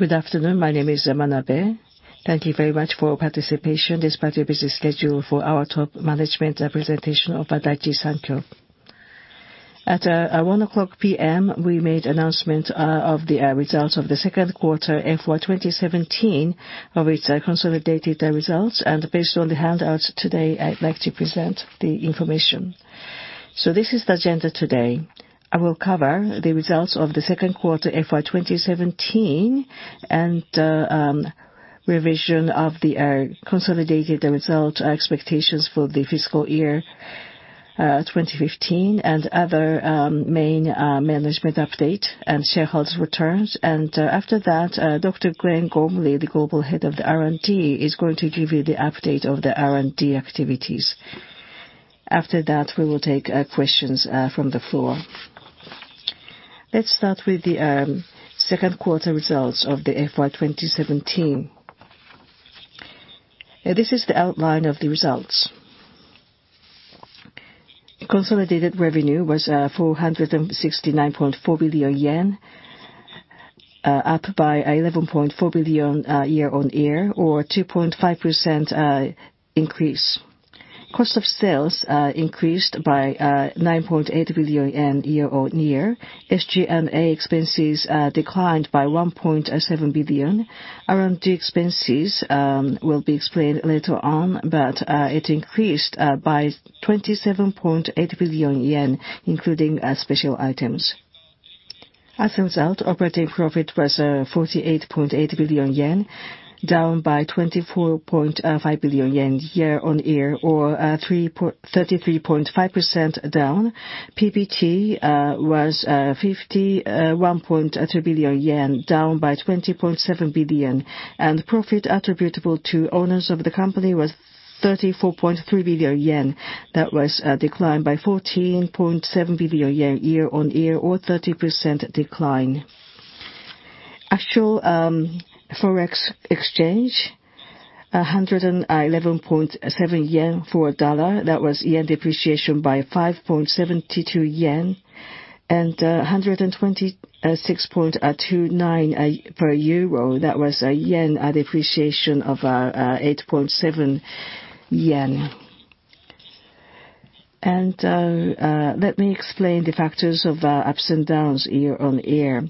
Good afternoon. My name is Manabe. Thank you very much for participation despite your busy schedule for our top management presentation of Daiichi Sankyo. At 1:00 P.M., we made announcement of the results of the second quarter FY 2017, of its consolidated results. Based on the handouts today, I'd like to present the information. This is the agenda today. I will cover the results of the second quarter FY 2017, revision of the consolidated result expectations for the fiscal year 2015, other main management update, and shareholders' returns. After that, Dr. Glenn Gormley, the Global Head of the R&D, is going to give you the update of the R&D activities. After that, we will take questions from the floor. Let's start with the second quarter results of the FY 2017. This is the outline of the results. Consolidated revenue was 469.4 billion yen, up by 11.4 billion year-on-year, or 2.5% increase. Cost of sales increased by 9.8 billion yen year-on-year. SG&A expenses declined by 1.7 billion. R&D expenses will be explained later on, but it increased by 27.8 billion yen, including special items. As a result, operating profit was 48.8 billion yen, down by 24.5 billion yen year-on-year, or 33.5% down. PBT was 51.2 billion yen, down by 20.7 billion. Profit attributable to owners of the company was 34.3 billion yen. That was a decline by 14.7 billion yen year-on-year, or 30% decline. Actual Forex exchange, 111.7 yen for a dollar. That was yen depreciation by 5.72 yen. 126.29 JPY per euro. That was a yen depreciation of 8.7 yen. Let me explain the factors of ups and downs year-on-year.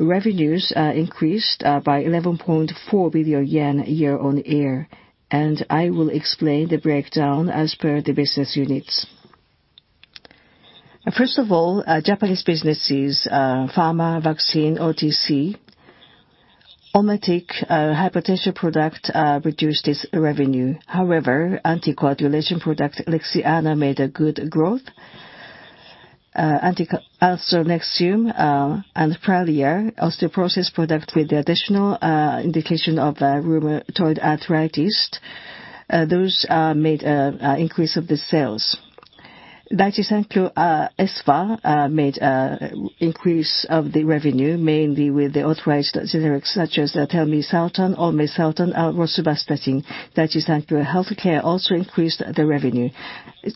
Revenues increased by 11.4 billion yen year-on-year, I will explain the breakdown as per the business units. First of all, Japanese businesses, pharma, vaccine, OTC. Olmetec hypertension product reduced its revenue. However, anticoagulation product, LIXIANA, made a good growth. Also, Nexium and PRALIA, osteoporosis product with the additional indication of rheumatoid arthritis. Those made increase of the sales. Daiichi Sankyo Espha made increase of the revenue, mainly with the authorized generics such as telmisartan, olmesartan, amlodipine, rosuvastatin. Daiichi Sankyo Healthcare also increased the revenue.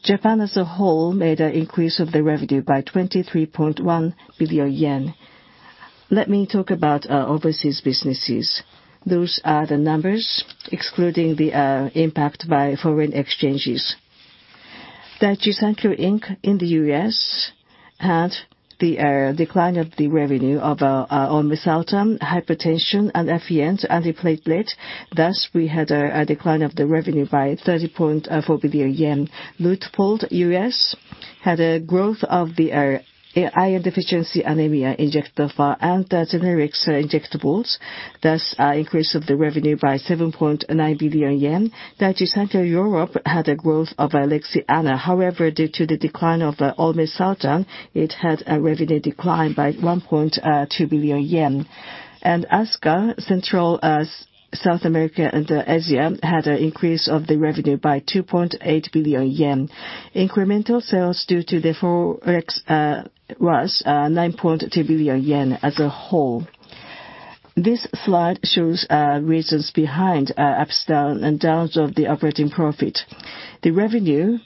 Japan as a whole made an increase of the revenue by 23.1 billion yen. Let me talk about overseas businesses. Those are the numbers excluding the impact by foreign exchanges. Daiichi Sankyo, Inc. in the U.S. had the decline of the revenue of olmesartan, hypertension, and Effient, anti-platelet. Thus, we had a decline of the revenue by 30.4 billion yen. Luitpold Pharmaceuticals, Inc. had a growth of the iron deficiency anemia, Injectafer, and the generics injectables. Thus, increase of the revenue by 7.9 billion yen. Daiichi Sankyo Europe had a growth of LIXIANA. However, due to the decline of olmesartan, it had a revenue decline by 1.2 billion yen. ASCA, Central South America and Asia, had an increase of the revenue by 2.8 billion yen. Incremental sales due to the Forex was 9.2 billion yen as a whole. This slide shows reasons behind ups and downs of the operating profit. The revenue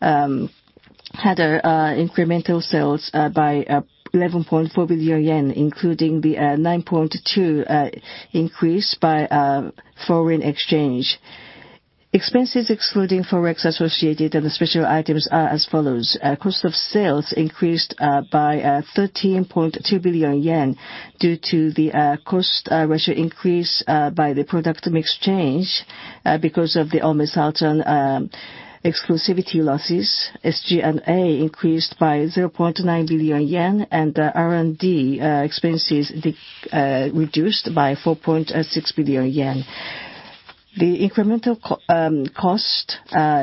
had incremental sales by 11.4 billion yen, including the 9.2 increase by foreign exchange. Expenses excluding Forex associated and the special items are as follows. Cost of sales increased by 13.2 billion yen due to the cost ratio increase by the product mix change because of the olmesartan exclusivity losses. SG&A increased by 0.9 billion yen. R&D expenses reduced by 4.6 billion yen. The incremental cost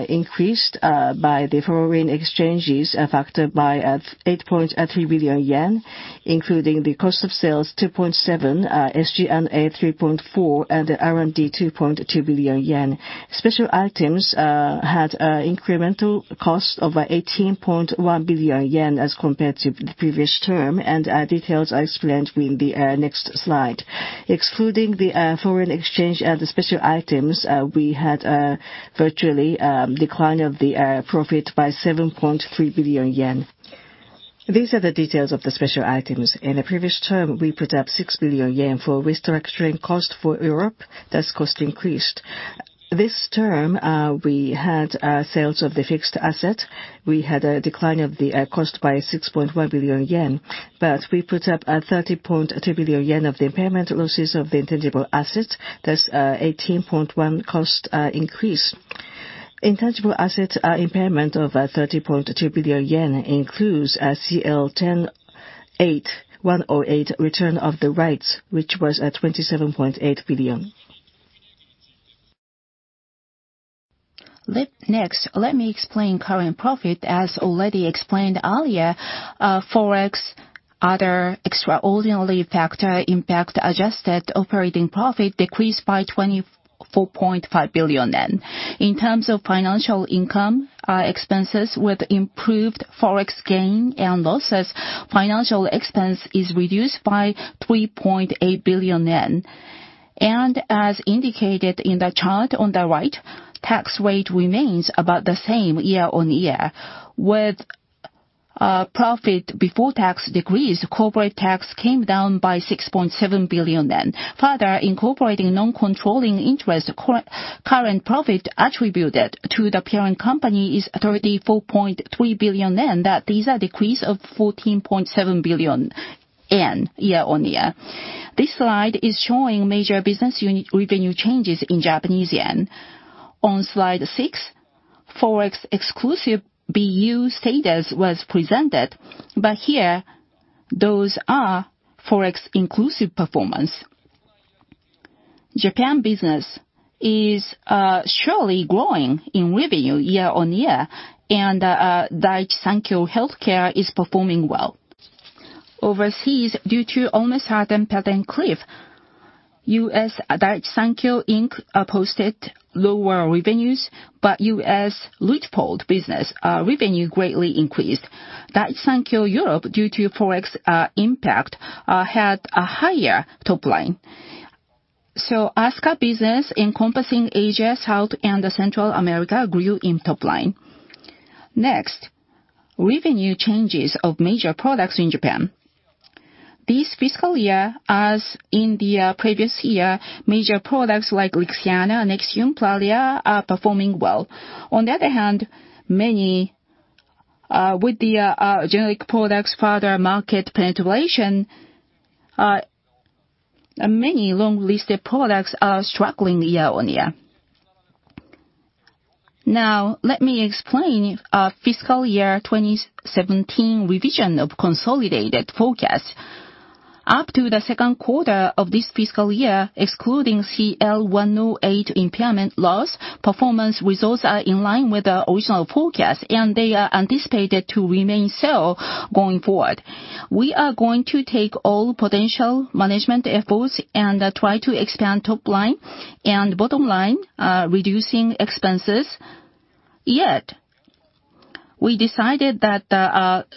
increased by the foreign exchange factor by 8.3 billion yen, including the cost of sales 2.7, SG&A 3.4, and R&D 2.2 billion yen. Special items had incremental cost of 18.1 billion yen as compared to the previous term, and details are explained in the next slide. Excluding the foreign exchange and the special items, we had virtually decline of the profit by 7.3 billion yen. These are the details of the special items. In the previous term, we put up 6 billion yen for restructuring cost for Europe. Cost increased. This term, we had sales of the fixed asset. We had a decline of the cost by 6.1 billion yen, but we put up 30.2 billion yen of the impairment losses of the intangible assets. 18.1 cost increase. Intangible assets are impairment of 30.2 billion yen, includes CL-1008 return of the rights, which was 27.8 billion. Next, let me explain current profit. As already explained earlier, Forex, other extraordinary factor impact adjusted operating profit decreased by 24.5 billion yen. In terms of financial income, expenses with improved Forex gain and losses, financial expense is reduced by 3.8 billion yen. As indicated in the chart on the right, tax rate remains about the same year-on-year. With profit before tax decrease, corporate tax came down by 6.7 billion yen. Further, incorporating non-controlling interest, current profit attributed to the parent company is 34.3 billion yen. That is a decrease of 14.7 billion yen year-on-year. This slide is showing major business unit revenue changes in Japanese yen. On slide six, Forex exclusive BU status was presented, but here, those are Forex inclusive performance. Japan business is surely growing in revenue year-on-year, and Daiichi Sankyo Healthcare is performing well. Overseas, due to Olmetec and Effient, U.S. Daiichi Sankyo Inc. posted lower revenues, but U.S. Luitpold business revenue greatly increased. Daiichi Sankyo Europe, due to Forex impact, had a higher top line. ASCA business encompassing Asia, South and Central America grew in top line. Next, revenue changes of major products in Japan. This fiscal year, as in the previous year, major products like LIXIANA, Nexium, PRALIA are performing well. On the other hand, with the generic products' further market penetration, many long-listed products are struggling year-on-year. Now, let me explain our fiscal year 2017 revision of consolidated forecast. Up to the second quarter of this fiscal year, excluding CL-108 impairment loss, performance results are in line with the original forecast, and they are anticipated to remain so going forward. We are going to take all potential management efforts and try to expand top line and bottom line, reducing expenses. Yet, we decided that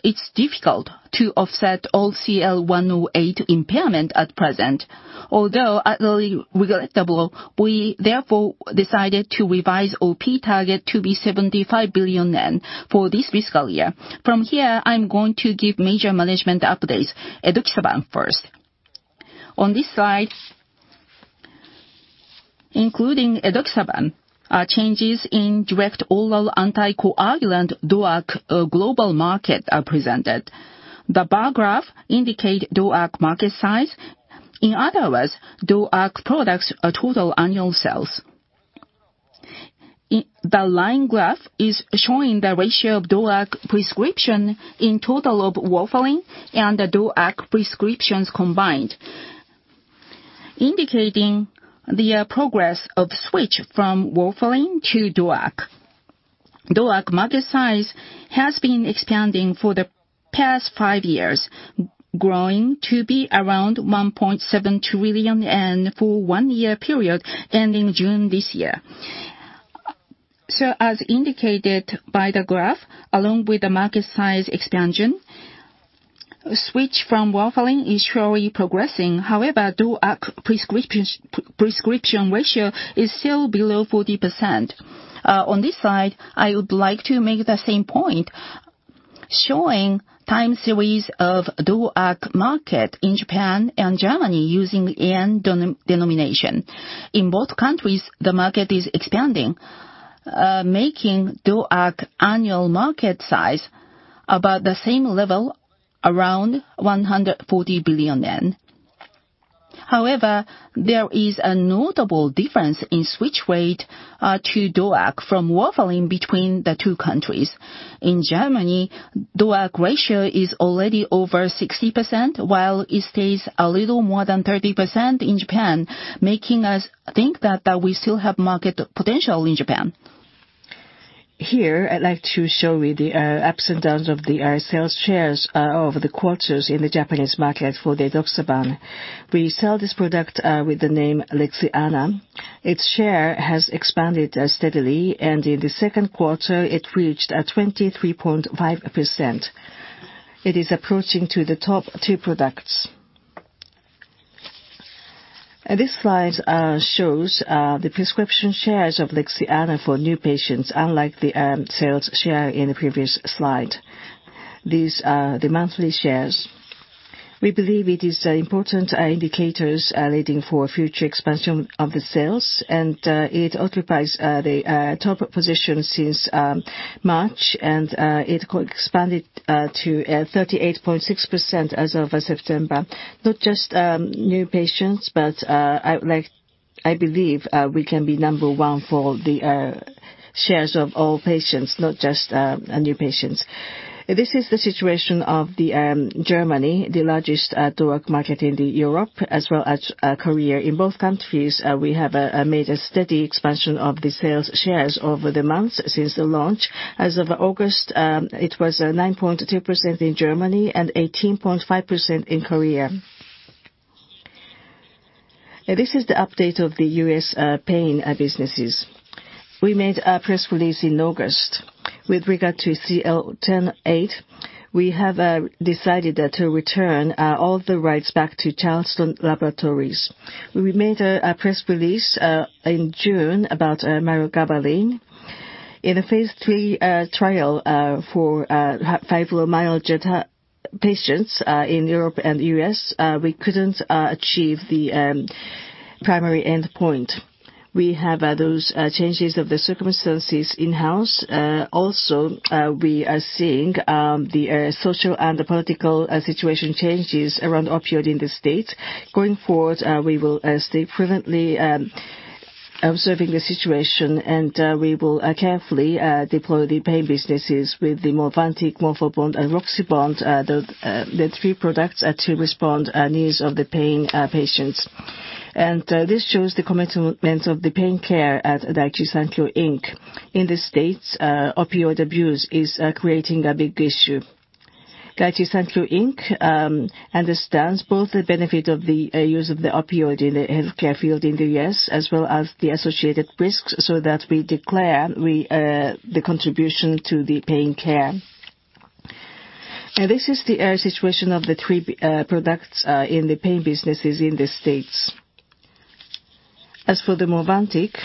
it's difficult to offset all CL-108 impairment at present. Although utterly regrettable, we therefore decided to revise OP target to be 75 billion yen for this fiscal year. From here, I'm going to give major management updates. edoxaban first. On this slide, including edoxaban, our changes in direct oral anticoagulant, DOAC, global market are presented. The bar graph indicate DOAC market size. In other words, DOAC products are total annual sales. The line graph is showing the ratio of DOAC prescription in total of warfarin and the DOAC prescriptions combined, indicating the progress of switch from warfarin to DOAC. DOAC market size has been expanding for the past five years, growing to be around 1.7 trillion for one year period ending June this year. As indicated by the graph, along with the market size expansion, switch from warfarin is surely progressing. However, DOAC prescription ratio is still below 40%. On this slide, I would like to make the same point, showing time series of DOAC market in Japan and Germany using JPY denomination. In both countries, the market is expanding, making DOAC annual market size about the same level, around 140 billion yen. However, there is a notable difference in switch rate to DOAC from warfarin between the two countries. In Germany, DOAC ratio is already over 60%, while it stays a little more than 30% in Japan, making us think that we still have market potential in Japan. Here, I'd like to show you the ups and downs of the sales shares over the quarters in the Japanese market for edoxaban. We sell this product with the name LIXIANA. Its share has expanded steadily, and in the second quarter, it reached 23.5%. It is approaching to the top two products. This slide shows the prescription shares of LIXIANA for new patients, unlike the sales share in the previous slide. These are the monthly shares. We believe it is important indicators leading for future expansion of the sales, and it occupies the top position since March, and it expanded to 38.6% as of September. Not just new patients, but I believe we can be number one for the shares of all patients, not just new patients. This is the situation of Germany, the largest drug market in Europe, as well as Korea. In both countries, we have made a steady expansion of the sales shares over the months since the launch. As of August, it was 9.2% in Germany and 18.5% in Korea. This is the update of the U.S. pain businesses. We made a press release in August. With regard to CL-1008, we have decided to return all the rights back to Charleston Laboratories. We made a press release in June about mirogabalin. In a phase III trial for fibromyalgia patients in Europe and the U.S., we couldn't achieve the primary endpoint. We have those changes of the circumstances in-house. Also, we are seeing the social and the political situation changes around opioid in the U.S. Going forward, we will stay presently observing the situation, and we will carefully deploy the pain businesses with the MOVANTIK, MORPHABOND, and RoxyBond, the three products to respond needs of the pain patients. This shows the commitment of the pain care at Daiichi Sankyo, Inc. In the U.S., opioid abuse is creating a big issue. Daiichi Sankyo, Inc. understands both the benefit of the use of the opioid in the healthcare field in the U.S., as well as the associated risks so that we declare the contribution to the pain care. This is the situation of the three products in the pain businesses in the U.S. As for the MOVANTIK,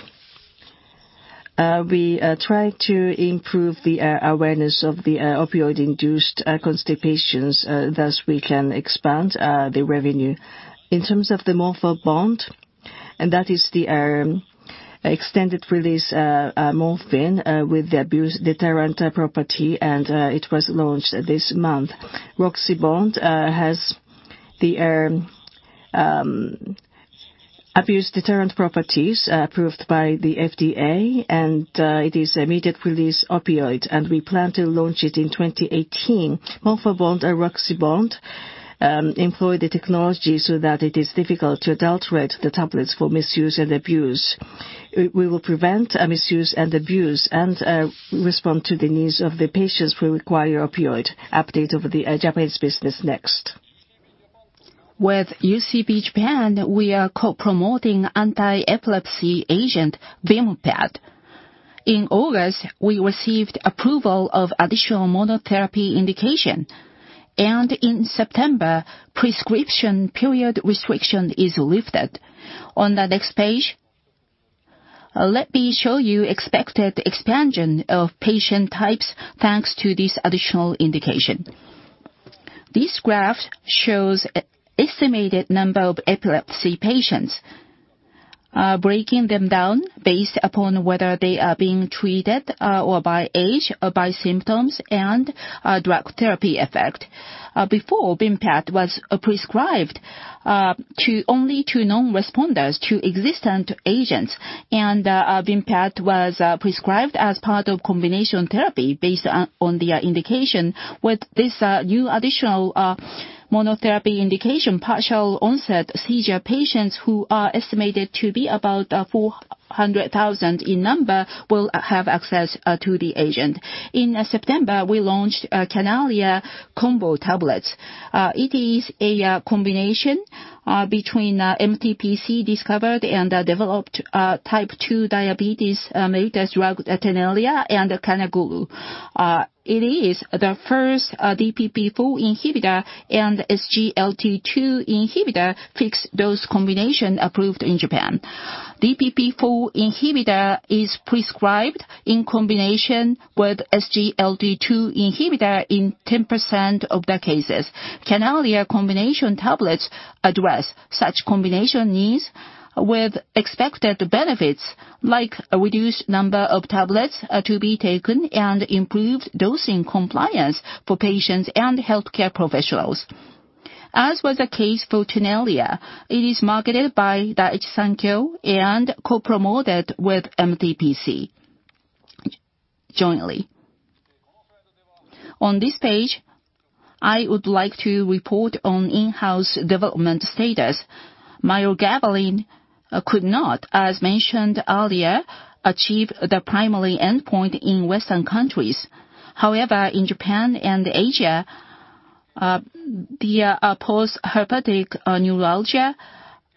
we try to improve the awareness of the opioid-induced constipations. Thus, we can expand the revenue. In terms of the MORPHABOND, that is the extended-release morphine with the abuse-deterrent property, it was launched this month. RoxyBond has the abuse-deterrent properties approved by the FDA, it is immediate-release opioid, we plan to launch it in 2018. MORPHABOND and RoxyBond employ the technology so that it is difficult to adulterate the tablets for misuse and abuse. We will prevent misuse and abuse respond to the needs of the patients who require opioid. Update of the Japanese business next. With UCB Japan, we are co-promoting anti-epilepsy agent, VIMPAT. In August, we received approval of additional monotherapy indication, in September, prescription period restriction is lifted. On the next page, let me show you expected expansion of patient types thanks to this additional indication. This graph shows estimated number of epilepsy patients, breaking them down based upon whether they are being treated or by age or by symptoms drug therapy effect. Before VIMPAT was prescribed only to non-responders to existent agents, VIMPAT was prescribed as part of combination therapy based on the indication. With this new additional monotherapy indication, partial onset seizure patients who are estimated to be about 400,000 in number will have access to the agent. In September, we launched CANALIA combo tablets. It is a combination between MTPC discovered and developed type 2 diabetes medicines drug TENELIA and CANAGLU. It is the first DPP-4 inhibitor and SGLT2 inhibitor fixed-dose combination approved in Japan. DPP-4 inhibitor is prescribed in combination with SGLT2 inhibitor in 10% of the cases. CANALIA combination tablets address such combination needs with expected benefits like a reduced number of tablets to be taken improved dosing compliance for patients and healthcare professionals. As was the case for TENELIA, it is marketed by Daiichi Sankyo and co-promoted with MTPC jointly. On this page, I would like to report on in-house development status. mirogabalin could not, as mentioned earlier, achieve the primary endpoint in Western countries. However, in Japan and Asia, the postherpetic neuralgia,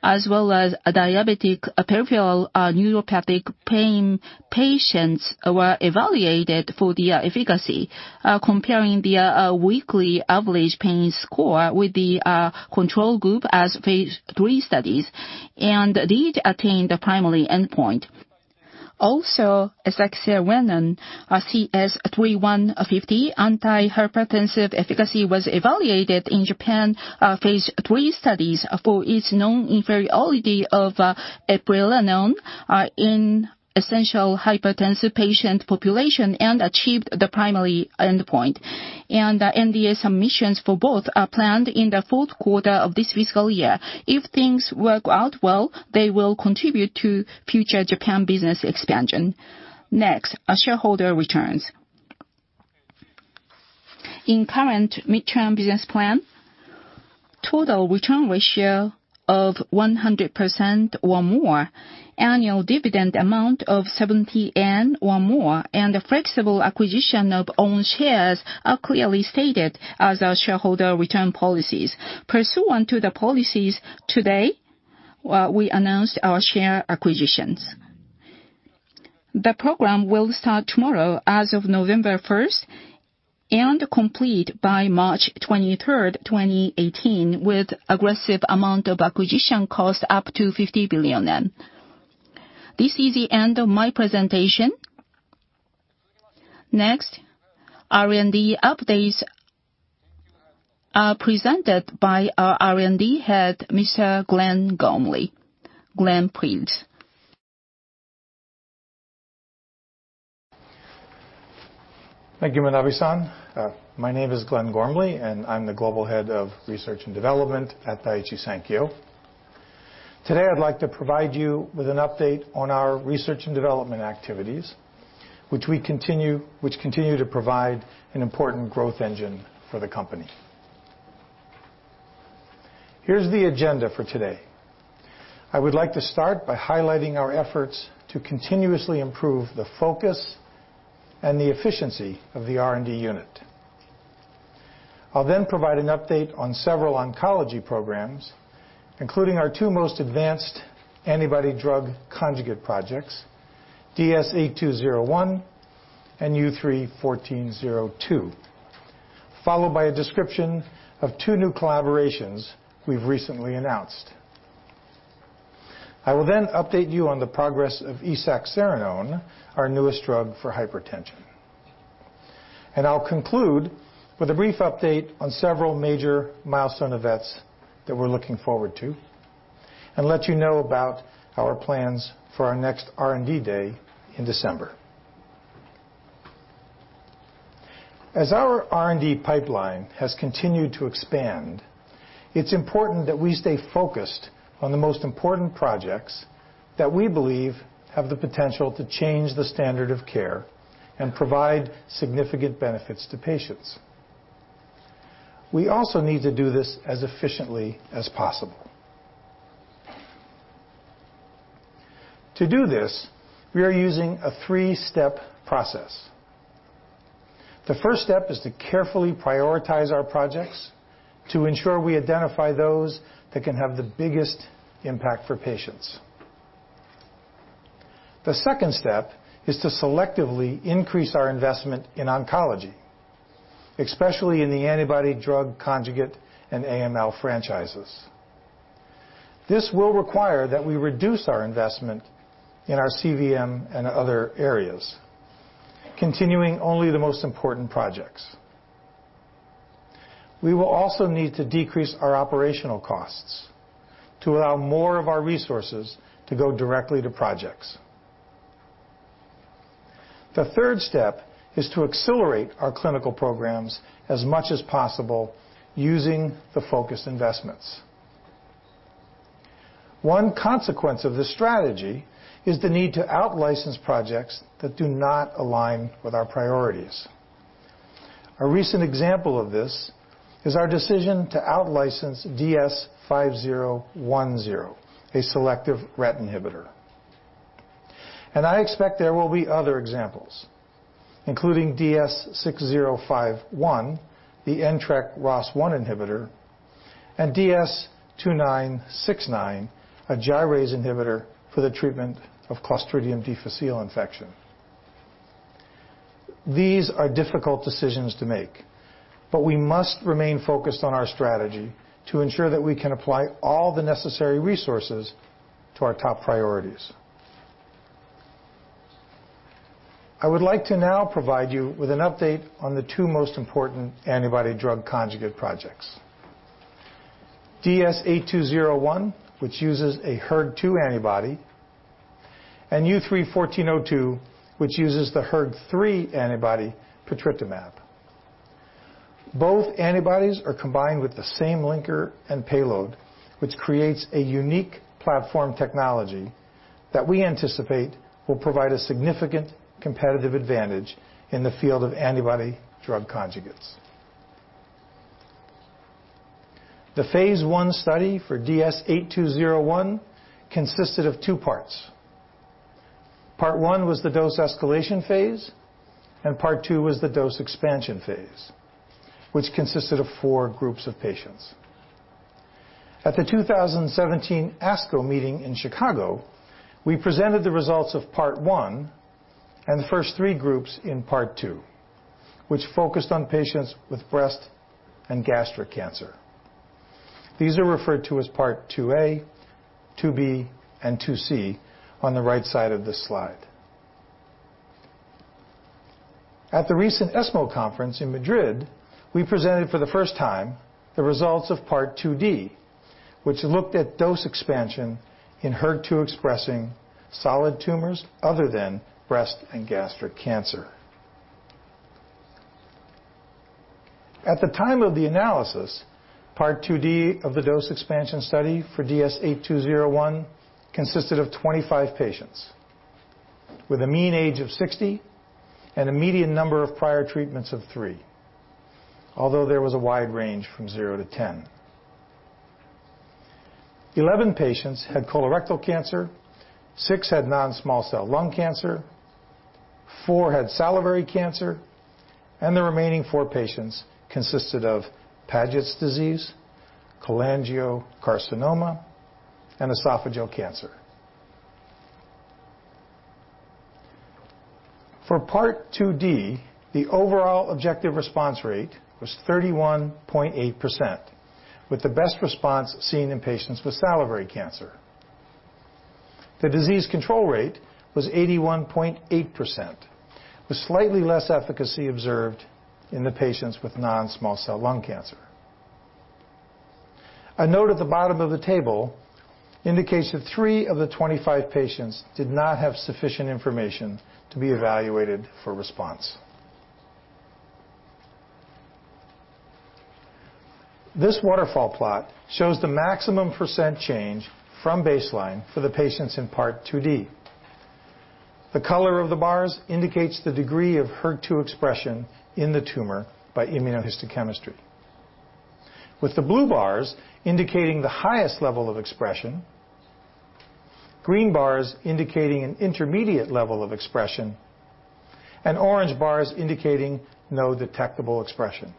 as well as diabetic peripheral neuropathic pain patients were evaluated for the efficacy, comparing the weekly average pain score with the control group as phase III studies. These attained the primary endpoint. Also, as esaxerenone, when CS-3150 anti-hypertensive efficacy was evaluated in Japan phase III studies for its known inferiority of eplerenone in essential hypertensive patient population and achieved the primary endpoint. NDA submissions for both are planned in the fourth quarter of this fiscal year. If things work out well, they will contribute to future Japan business expansion. Next, shareholder returns. In current mid-term business plan, total return ratio of 100% or more, annual dividend amount of 70 yen or more, and the flexible acquisition of own shares are clearly stated as our shareholder return policies. Pursuant to the policies today, we announced our share acquisitions. The program will start tomorrow as of November 1st and complete by March 23rd, 2018, with aggressive amount of acquisition costs up to 50 billion yen. This is the end of my presentation. Next, R&D updates are presented by our R&D head, Mr. Glenn Gormley. Glenn, please. Thank you, Manabe-san. My name is Glenn Gormley, and I'm the Global Head of Research and Development at Daiichi Sankyo. Today, I'd like to provide you with an update on our research and development activities, which continue to provide an important growth engine for the company. Here's the agenda for today. I would like to start by highlighting our efforts to continuously improve the focus and the efficiency of the R&D unit. I'll then provide an update on several oncology programs, including our two most advanced antibody drug conjugate projects, DS-8201 and U3-1402, followed by a description of two new collaborations we've recently announced. I will then update you on the progress of esaxerenone, our newest drug for hypertension. I'll conclude with a brief update on several major milestone events that we're looking forward to and let you know about our plans for our next R&D day in December. As our R&D pipeline has continued to expand, it's important that we stay focused on the most important projects that we believe have the potential to change the standard of care and provide significant benefits to patients. We also need to do this as efficiently as possible. To do this, we are using a three-step process. The first step is to carefully prioritize our projects to ensure we identify those that can have the biggest impact for patients. The second step is to selectively increase our investment in oncology, especially in the antibody drug conjugate and AML franchises. This will require that we reduce our investment in our CVM and other areas, continuing only the most important projects. We will also need to decrease our operational costs to allow more of our resources to go directly to projects. The third step is to accelerate our clinical programs as much as possible using the focused investments. One consequence of this strategy is the need to out-license projects that do not align with our priorities. A recent example of this is our decision to out-license DS-5010, a selective RET inhibitor. I expect there will be other examples, including DS-6051, the NTRK ROS1 inhibitor, and DS-2969, a gyrase inhibitor for the treatment of Clostridium difficile infection. These are difficult decisions to make, but we must remain focused on our strategy to ensure that we can apply all the necessary resources to our top priorities. I would like to now provide you with an update on the two most important antibody drug conjugate projects. DS-8201, which uses a HER2 antibody, and U3-1402, which uses the HER3 antibody, patritumab. Both antibodies are combined with the same linker and payload, which creates a unique platform technology that we anticipate will provide a significant competitive advantage in the field of antibody drug conjugates. The phase I study for DS-8201 consisted of two parts. Part one was the dose escalation phase, and part two was the dose expansion phase, which consisted of four groups of patients. At the 2017 ASCO meeting in Chicago, we presented the results of part one and the first three groups in part two, which focused on patients with breast and gastric cancer. These are referred to as Part 2A, 2B, and 2C on the right side of the slide. At the recent ESMO conference in Madrid, we presented for the first time the results of Part 2D, which looked at dose expansion in HER2-expressing solid tumors other than breast and gastric cancer. At the time of the analysis, Part 2D of the dose expansion study for DS-8201 consisted of 25 patients with a mean age of 60 and a median number of prior treatments of three, although there was a wide range from zero to 10. 11 patients had colorectal cancer, six had non-small cell lung cancer, four had salivary cancer, and the remaining four patients consisted of Paget's disease, cholangiocarcinoma, and esophageal cancer. For Part 2D, the overall objective response rate was 31.8%, with the best response seen in patients with salivary cancer. The disease control rate was 81.8%, with slightly less efficacy observed in the patients with non-small cell lung cancer. A note at the bottom of the table indicates that three of the 25 patients did not have sufficient information to be evaluated for response. This waterfall plot shows the maximum % change from baseline for the patients in Part 2D. The color of the bars indicates the degree of HER2 expression in the tumor by immunohistochemistry, with the blue bars indicating the highest level of expression, green bars indicating an intermediate level of expression, and orange bars indicating no detectable expression.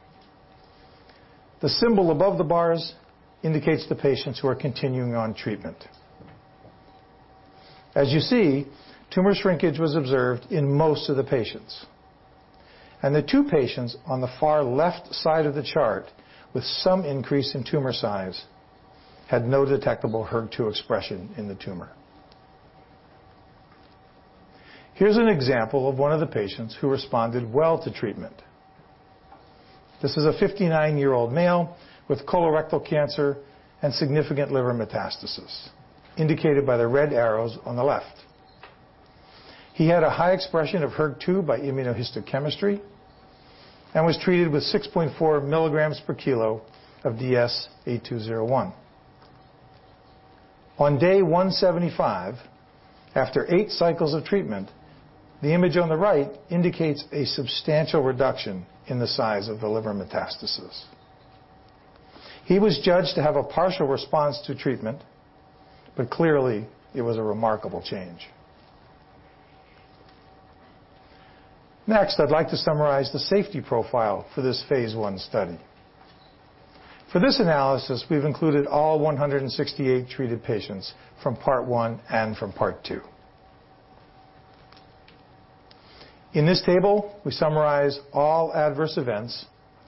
The symbol above the bars indicates the patients who are continuing on treatment. As you see, tumor shrinkage was observed in most of the patients. The two patients on the far left side of the chart with some increase in tumor size had no detectable HER2 expression in the tumor. Here's an example of one of the patients who responded well to treatment. This is a 59-year-old male with colorectal cancer and significant liver metastasis, indicated by the red arrows on the left. He had a high expression of HER2 by immunohistochemistry and was treated with 6.4 milligrams per kilo of DS-8201. On day 175, after eight cycles of treatment, the image on the right indicates a substantial reduction in the size of the liver metastasis. He was judged to have a partial response to treatment, clearly, it was a remarkable change. Next, I'd like to summarize the safety profile for this phase I study. For this analysis, we've included all 168 treated patients from Part 1 and from Part 2. In this table, we summarize all adverse events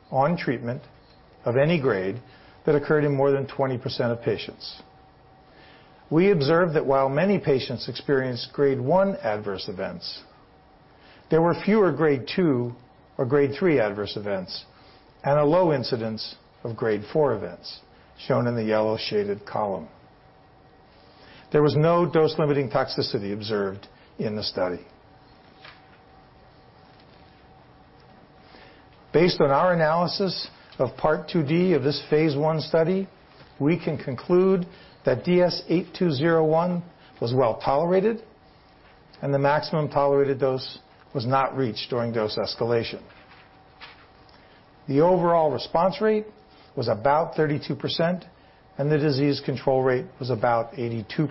on treatment of any grade that occurred in more than 20% of patients. We observed that while many patients experienced Grade 1 adverse events, there were fewer Grade 2 or Grade 3 adverse events, and a low incidence of Grade 4 events, shown in the yellow shaded column. There was no dose-limiting toxicity observed in the study. Based on our analysis of Part 2D of this phase I study, we can conclude that DS-8201 was well-tolerated and the maximum tolerated dose was not reached during dose escalation. The overall response rate was about 32%, and the disease control rate was about 82%.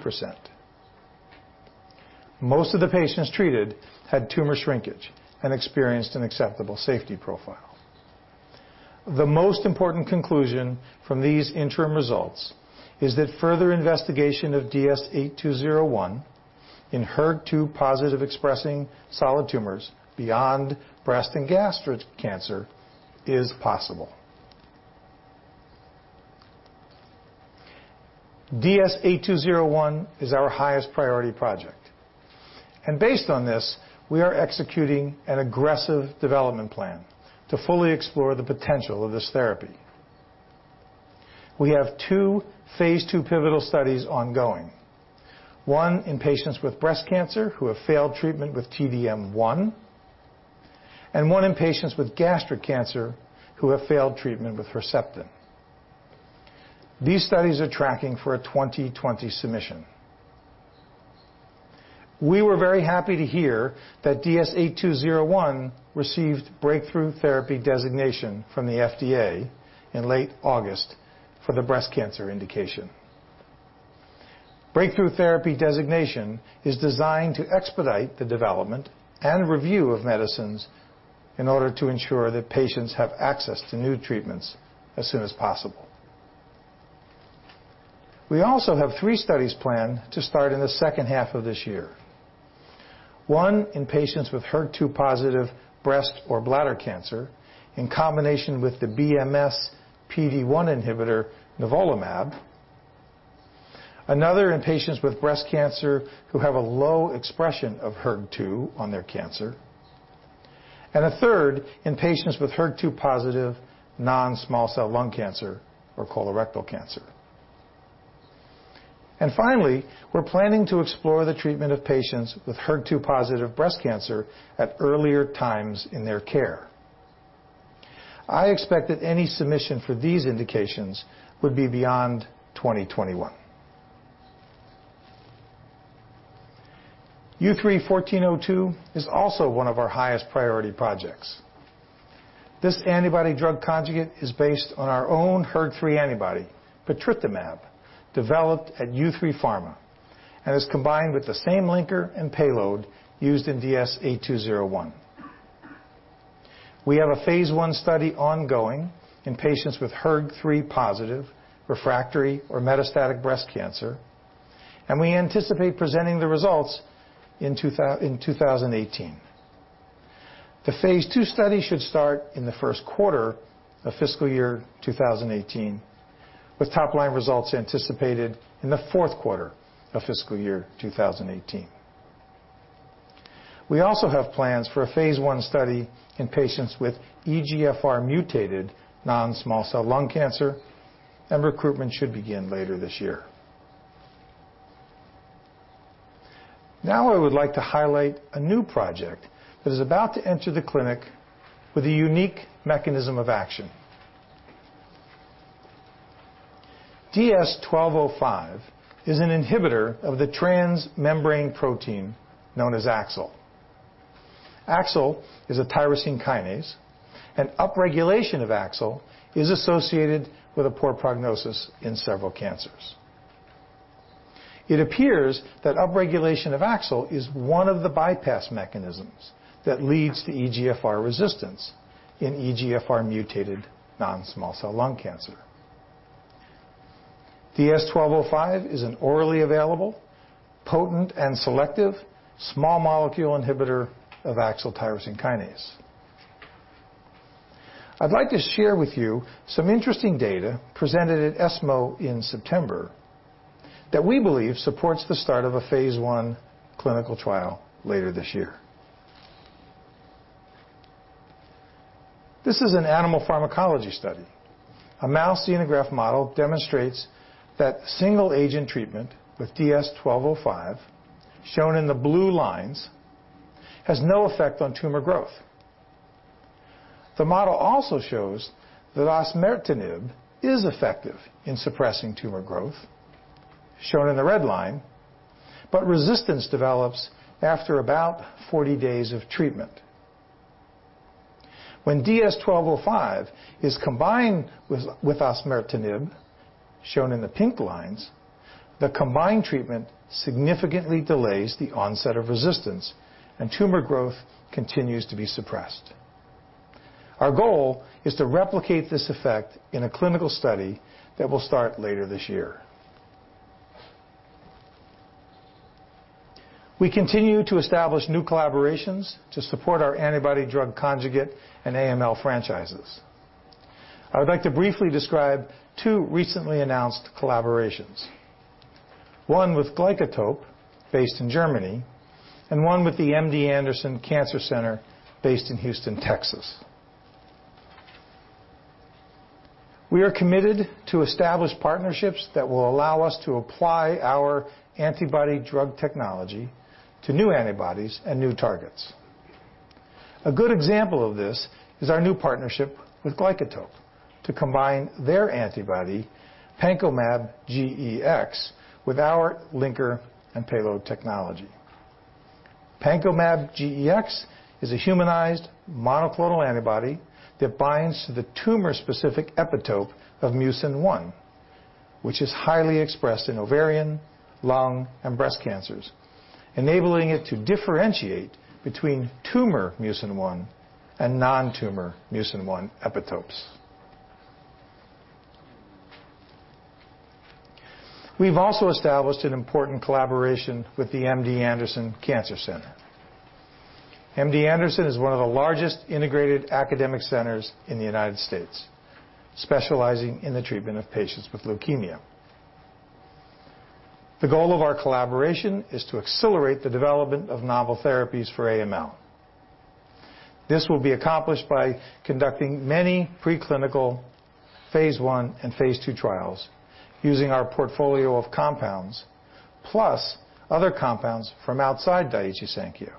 Most of the patients treated had tumor shrinkage and experienced an acceptable safety profile. The most important conclusion from these interim results is that further investigation of DS-8201 in HER2 positive expressing solid tumors beyond breast and gastric cancer is possible. DS-8201 is our highest priority project. Based on this, we are executing an aggressive development plan to fully explore the potential of this therapy. We have two phase II pivotal studies ongoing. One in patients with breast cancer who have failed treatment with T-DM1, one in patients with gastric cancer who have failed treatment with Herceptin. These studies are tracking for a 2020 submission. We were very happy to hear that DS-8201 received breakthrough therapy designation from the FDA in late August for the breast cancer indication. Breakthrough therapy designation is designed to expedite the development and review of medicines in order to ensure that patients have access to new treatments as soon as possible. We also have three studies planned to start in the second half of this year. One in patients with HER2-positive breast or bladder cancer in combination with the BMS PD-1 inhibitor nivolumab. Another in patients with breast cancer who have a low expression of HER2 on their cancer. A third in patients with HER2-positive non-small cell lung cancer or colorectal cancer. Finally, we're planning to explore the treatment of patients with HER2-positive breast cancer at earlier times in their care. I expect that any submission for these indications would be beyond 2021. U3-1402 is also one of our highest priority projects. This antibody drug conjugate is based on our own HER3 antibody, patritumab, developed at U3 Pharma and is combined with the same linker and payload used in DS-8201. We have a phase I study ongoing in patients with HER3-positive refractory or metastatic breast cancer, and we anticipate presenting the results in 2018. The phase II study should start in the first quarter of fiscal year 2018, with top-line results anticipated in the fourth quarter of fiscal year 2018. We also have plans for a phase I study in patients with EGFR mutated non-small cell lung cancer, recruitment should begin later this year. Now I would like to highlight a new project that is about to enter the clinic with a unique mechanism of action. DS-1205 is an inhibitor of the transmembrane protein known as AXL. AXL is a tyrosine kinase, and upregulation of AXL is associated with a poor prognosis in several cancers. It appears that upregulation of AXL is one of the bypass mechanisms that leads to EGFR resistance in EGFR mutated non-small cell lung cancer. DS-1205 is an orally available, potent and selective small molecule inhibitor of AXL tyrosine kinase. I'd like to share with you some interesting data presented at ESMO in September that we believe supports the start of a phase I clinical trial later this year. This is an animal pharmacology study. A mouse xenograft model demonstrates that single-agent treatment with DS-1205, shown in the blue lines, has no effect on tumor growth. The model also shows that osimertinib is effective in suppressing tumor growth, shown in the red line, but resistance develops after about 40 days of treatment. When DS-1205 is combined with osimertinib, shown in the pink lines, the combined treatment significantly delays the onset of resistance, and tumor growth continues to be suppressed. Our goal is to replicate this effect in a clinical study that will start later this year. We continue to establish new collaborations to support our antibody-drug conjugate and AML franchises. I would like to briefly describe two recently announced collaborations. One with Glycotope, based in Germany, and one with The University of Texas MD Anderson Cancer Center based in Houston, Texas. We are committed to establish partnerships that will allow us to apply our antibody-drug technology to new antibodies and new targets. A good example of this is our new partnership with Glycotope to combine their antibody, PankoMab-GEX, with our linker and payload technology. PankoMab-GEX is a humanized monoclonal antibody that binds to the tumor-specific epitope of Mucin 1, which is highly expressed in ovarian, lung, and breast cancers, enabling it to differentiate between tumor Mucin 1 and non-tumor Mucin 1 epitopes. We've also established an important collaboration with The University of Texas MD Anderson Cancer Center. MD Anderson is one of the largest integrated academic centers in the U.S., specializing in the treatment of patients with leukemia. The goal of our collaboration is to accelerate the development of novel therapies for AML. This will be accomplished by conducting many preclinical phase I and phase II trials using our portfolio of compounds, plus other compounds from outside Daiichi Sankyo.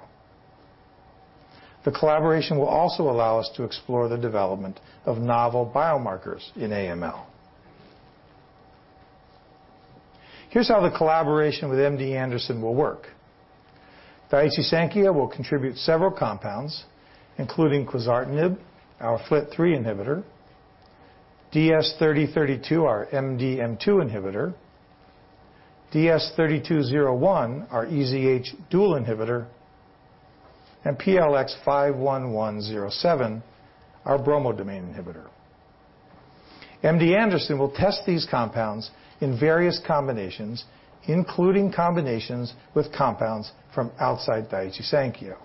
The collaboration will also allow us to explore the development of novel biomarkers in AML. Here's how the collaboration with MD Anderson will work. Daiichi Sankyo will contribute several compounds, including quizartinib, our FLT3 inhibitor, DS-3032, our MDM2 inhibitor, DS-3201, our EZH1/2 dual inhibitor, and PLX51107, our bromodomain inhibitor. MD Anderson will test these compounds in various combinations, including combinations with compounds from outside Daiichi Sankyo.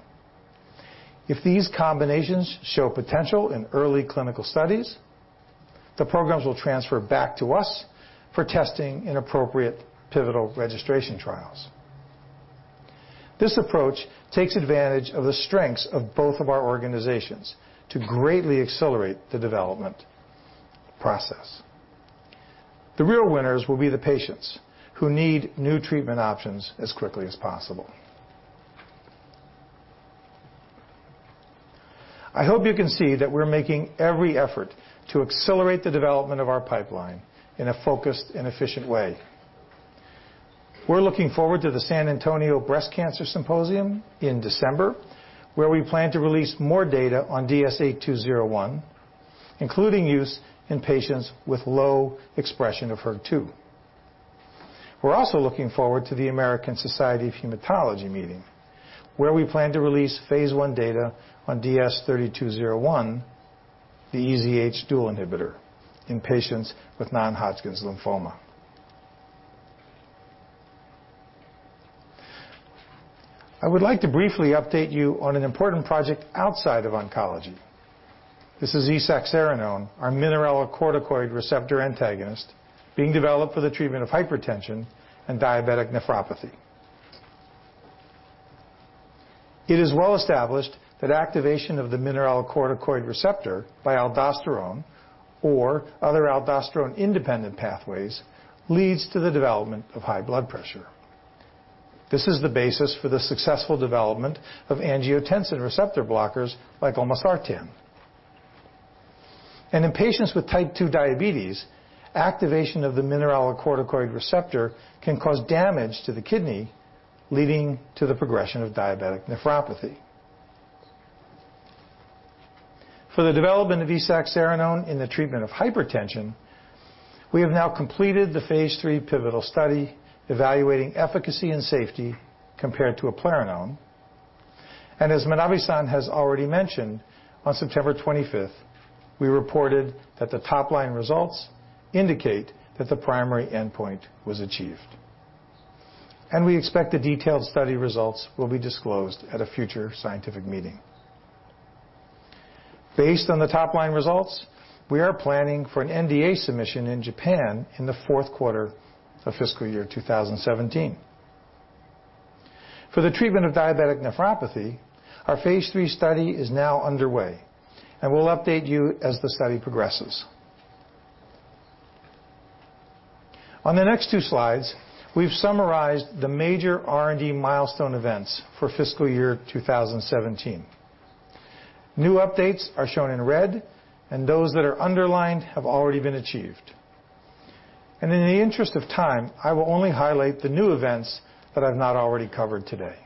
If these combinations show potential in early clinical studies, the programs will transfer back to us for testing in appropriate pivotal registration trials. This approach takes advantage of the strengths of both of our organizations to greatly accelerate the development process. The real winners will be the patients who need new treatment options as quickly as possible. I hope you can see that we're making every effort to accelerate the development of our pipeline in a focused and efficient way. We're looking forward to the San Antonio Breast Cancer Symposium in December, where we plan to release more data on DS-8201, including use in patients with low expression of HER2. We're also looking forward to the American Society of Hematology meeting, where we plan to release phase I data on DS-3201, the EZH dual inhibitor in patients with non-Hodgkin's lymphoma. I would like to briefly update you on an important project outside of oncology. This is esaxerenone, our mineralocorticoid receptor antagonist being developed for the treatment of hypertension and diabetic nephropathy. It is well established that activation of the mineralocorticoid receptor by aldosterone or other aldosterone-independent pathways leads to the development of high blood pressure. This is the basis for the successful development of angiotensin receptor blockers like olmesartan. In patients with type 2 diabetes, activation of the mineralocorticoid receptor can cause damage to the kidney, leading to the progression of diabetic nephropathy. For the development of esaxerenone in the treatment of hypertension, we have now completed the phase III pivotal study evaluating efficacy and safety compared to Eplerenone. As Manabe-san has already mentioned, on September 25th, we reported that the top-line results indicate that the primary endpoint was achieved. We expect the detailed study results will be disclosed at a future scientific meeting. Based on the top-line results, we are planning for an NDA submission in Japan in the fourth quarter of fiscal year 2017. For the treatment of diabetic nephropathy, our phase III study is now underway, and we'll update you as the study progresses. On the next two slides, we've summarized the major R&D milestone events for fiscal year 2017. New updates are shown in red, and those that are underlined have already been achieved. In the interest of time, I will only highlight the new events that I've not already covered today.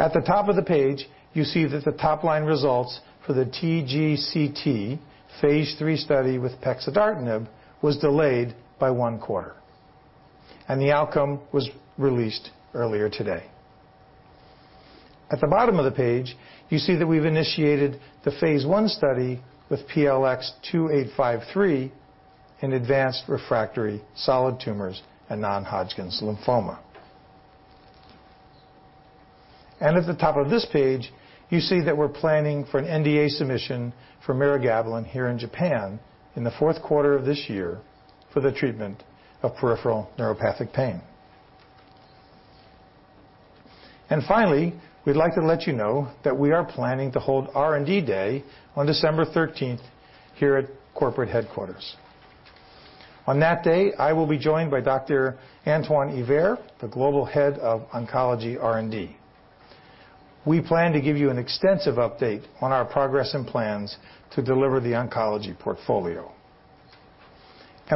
At the top of the page, you see that the top-line results for the TGCT phase III study with pexidartinib was delayed by one quarter, and the outcome was released earlier today. At the bottom of the page, you see that we've initiated the phase I study with PLX2853 in advanced refractory solid tumors and non-Hodgkin's lymphoma. At the top of this page, you see that we're planning for an NDA submission for mirogabalin here in Japan in the fourth quarter of this year for the treatment of peripheral neuropathic pain. Finally, we'd like to let you know that we are planning to hold R&D Day on December 13th here at corporate headquarters. On that day, I will be joined by Dr. Antoine Yver, the Global Head of Oncology R&D. We plan to give you an extensive update on our progress and plans to deliver the oncology portfolio.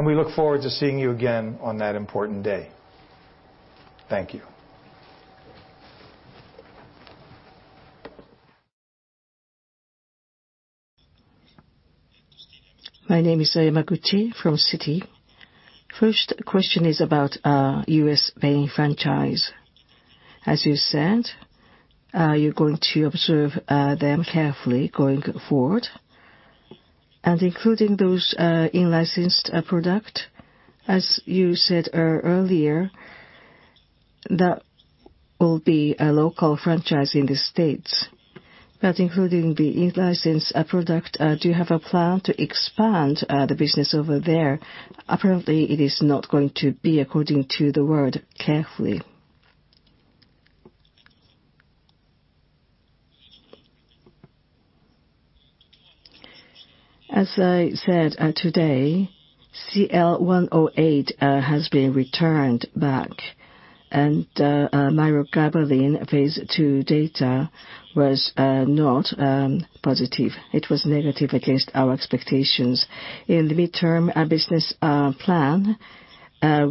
We look forward to seeing you again on that important day. Thank you. My name is Aya Yamaguchi from Citi. First question is about U.S. pain franchise. As you said, you're going to observe them carefully going forward and including those in-licensed products. As you said earlier, that will be a local franchise in the U.S., including the in-license products, do you have a plan to expand the business over there? It is not going to be according to the word carefully. As I said today, CL-108 has been returned back, and mirogabalin phase II data was not positive. It was negative against our expectations. In the midterm business plan,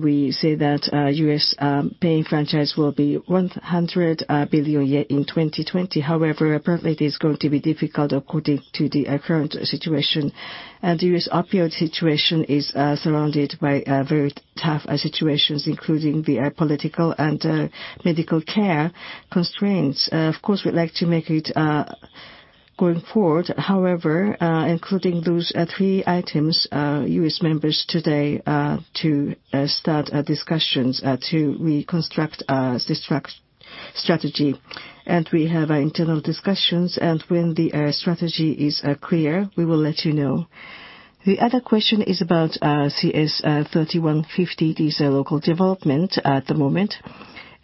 we say that U.S. pain franchise will be 100 billion yen in 2020. It is going to be difficult according to the current situation. U.S. opioid situation is surrounded by very tough situations, including the political and medical care constraints. We'd like to make it. Going forward, including those three items, U.S. members today to start discussions to reconstruct our strategy. We have our internal discussions, and when the strategy is clear, we will let you know. The other question is about CS-3150. This is local development at the moment.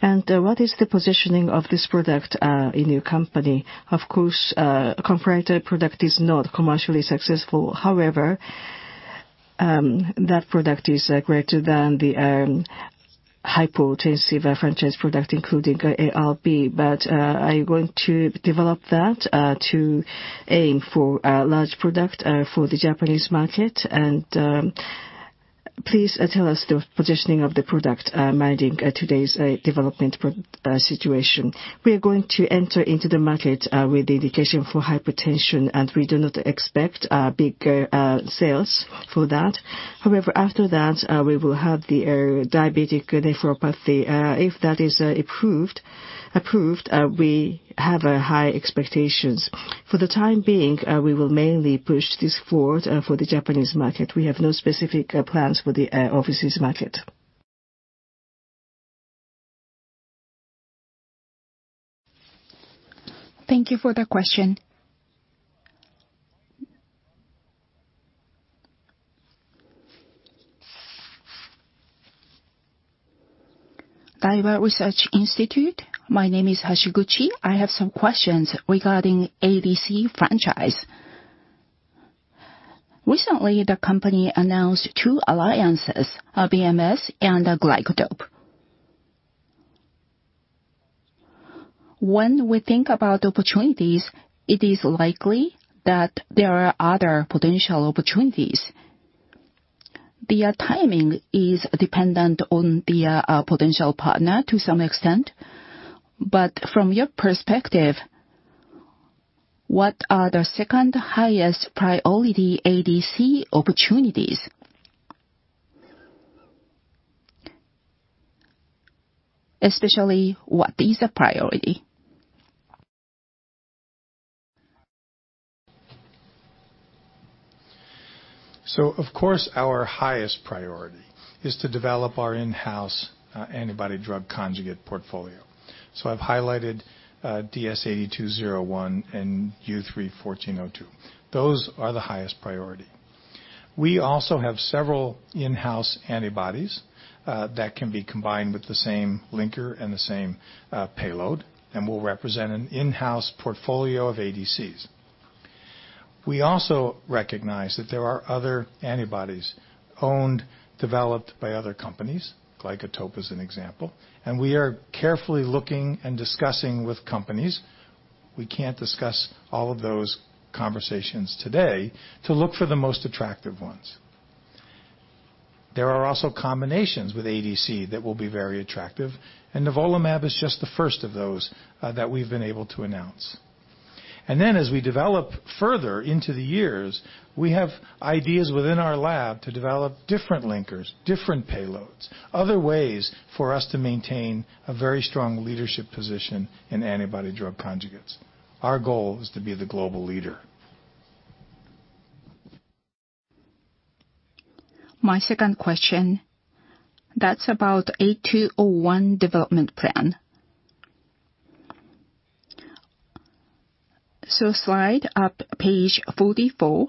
What is the positioning of this product in your company? A competitor product is not commercially successful. That product is greater than the hypertensive franchise product, including angiotensin receptor blockers. Are you going to develop that to aim for a large product for the Japanese market? Please tell us the positioning of the product, minding today's development situation. We are going to enter into the market with the indication for hypertension, and we do not expect big sales for that. After that, we will have the diabetic nephropathy. If that is approved, we have high expectations. For the time being, we will mainly push this forward for the Japanese market. We have no specific plans for the overseas market. Thank you for the question. Daiwa Securities. My name is Hashiguchi. I have some questions regarding ADC franchise. Recently, the company announced two alliances, BMS and Glycotope. When we think about opportunities, it is likely that there are other potential opportunities. The timing is dependent on the potential partner to some extent. From your perspective, what are the second-highest priority ADC opportunities? What is the priority? Our highest priority is to develop our in-house antibody drug conjugate portfolio. I've highlighted DS-8201 and U3-1402. Those are the highest priority. We also have several in-house antibodies that can be combined with the same linker and the same payload and will represent an in-house portfolio of ADCs. We also recognize that there are other antibodies owned, developed by other companies, Glycotope as an example, and we are carefully looking and discussing with companies, we can't discuss all of those conversations today, to look for the most attractive ones. There are also combinations with ADC that will be very attractive, and nivolumab is just the first of those that we've been able to announce. As we develop further into the years, we have ideas within our lab to develop different linkers, different payloads, other ways for us to maintain a very strong leadership position in antibody drug conjugates. Our goal is to be the global leader. My second question, that's about 8201 development plan. Slide up page 44.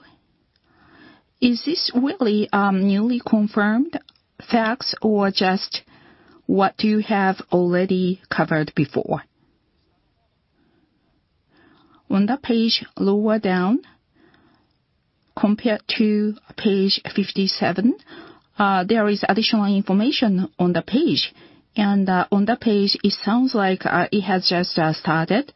Is this really newly confirmed facts or just what you have already covered before? On the page lower down, compared to page 57, there is additional information on the page, and on the page it sounds like it has just started.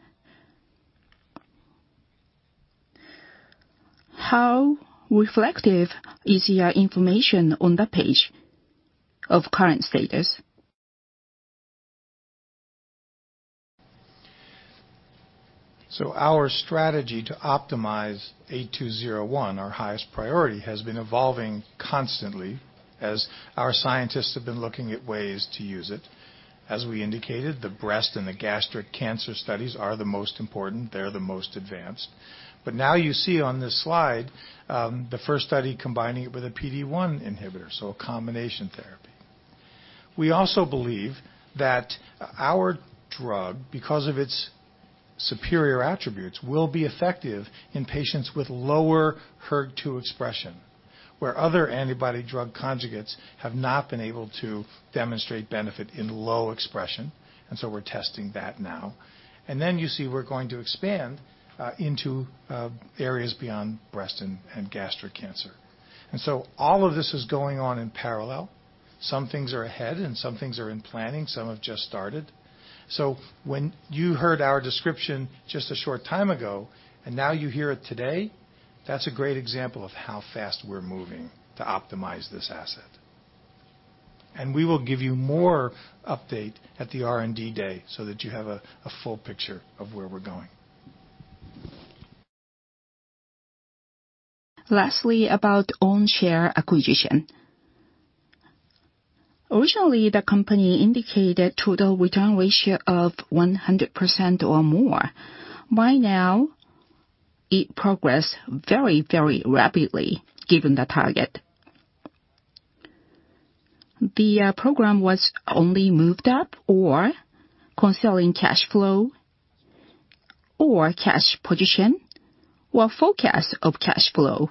How reflective is your information on the page of current status? Our strategy to optimize 8201, our highest priority, has been evolving constantly as our scientists have been looking at ways to use it. As we indicated, the breast and the gastric cancer studies are the most important. They're the most advanced. Now you see on this slide, the first study combining it with a PD-1 inhibitor, so a combination therapy. We also believe that our drug, because of its superior attributes, will be effective in patients with lower HER2 expression, where other antibody drug conjugates have not been able to demonstrate benefit in low expression. We're testing that now. You see we're going to expand into areas beyond breast and gastric cancer. All of this is going on in parallel. Some things are ahead and some things are in planning. Some have just started. When you heard our description just a short time ago, and now you hear it today, that's a great example of how fast we're moving to optimize this asset. We will give you more update at the R&D day so that you have a full picture of where we're going. Lastly, about own share acquisition. Originally, the company indicated total return ratio of 100% or more. By now, it progress very, very rapidly given the target. The program was only moved up or concealing cash flow or cash position or forecast of cash flow.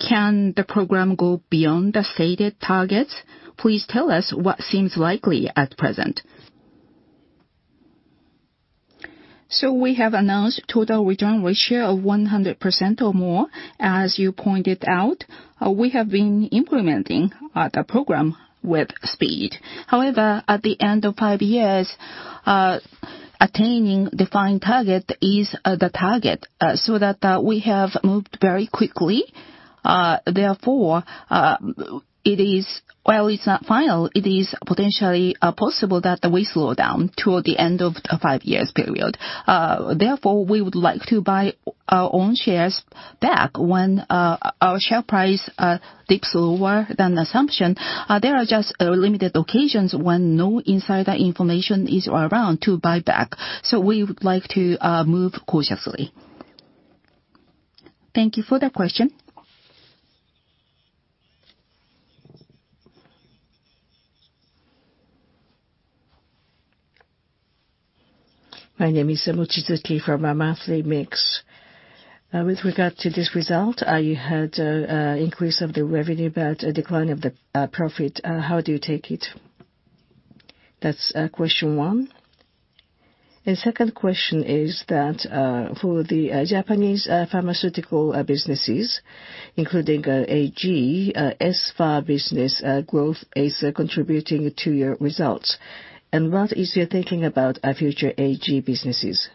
Can the program go beyond the stated targets? Please tell us what seems likely at present. We have announced total return ratio of 100% or more. As you pointed out, we have been implementing the program with speed. However, at the end of five years, attaining defined target is the target so that we have moved very quickly. Therefore, while it's not final, it is potentially possible that we slow down toward the end of the five years period. Therefore, we would like to buy our own shares back when our share price dips lower than assumption. There are just limited occasions when no insider information is around to buy back. We would like to move cautiously. Thank you for the question. My name is Mochizuki from Monthly Mix. With regard to this result, you had increase of the revenue, but a decline of the profit. How do you take it? That's question one. The second question is that for the Japanese pharmaceutical businesses, including ASCA, Espha business growth is contributing to your results. What is your thinking about future ASCA businesses?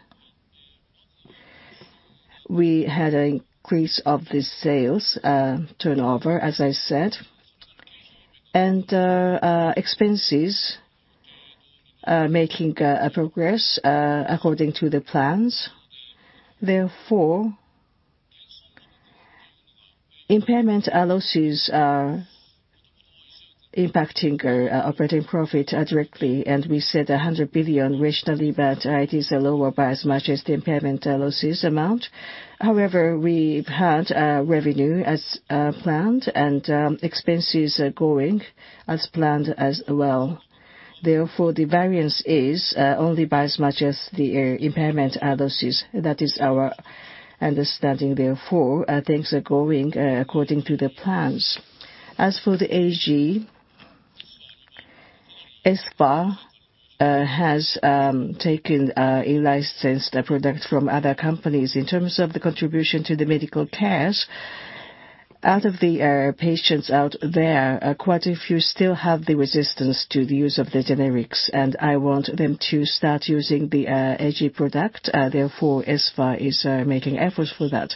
We had an increase of the sales turnover, as I said. Expenses are making progress according to the plans. Impairment losses are impacting our operating profit directly, and we said 100 billion originally, but it is lower by as much as the impairment losses amount. However, we've had revenue as planned and expenses are going as planned as well. The variance is only by as much as the impairment losses. That is our understanding. Things are going according to the plans. As for the AG, Espha has taken in-licensed products from other companies. In terms of the contribution to the medical cares, out of the patients out there, quite a few still have the resistance to the use of the generics, and I want them to start using the AG product. Espha is making efforts for that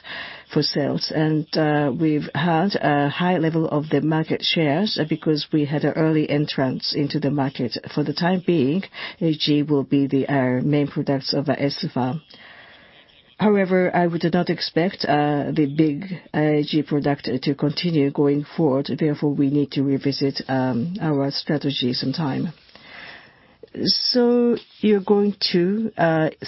for sales. We've had a high level of the market shares because we had an early entrance into the market. For the time being, AG will be the main products of Espha. However, I would not expect the big AG product to continue going forward, therefore, we need to revisit our strategy sometime. You're going to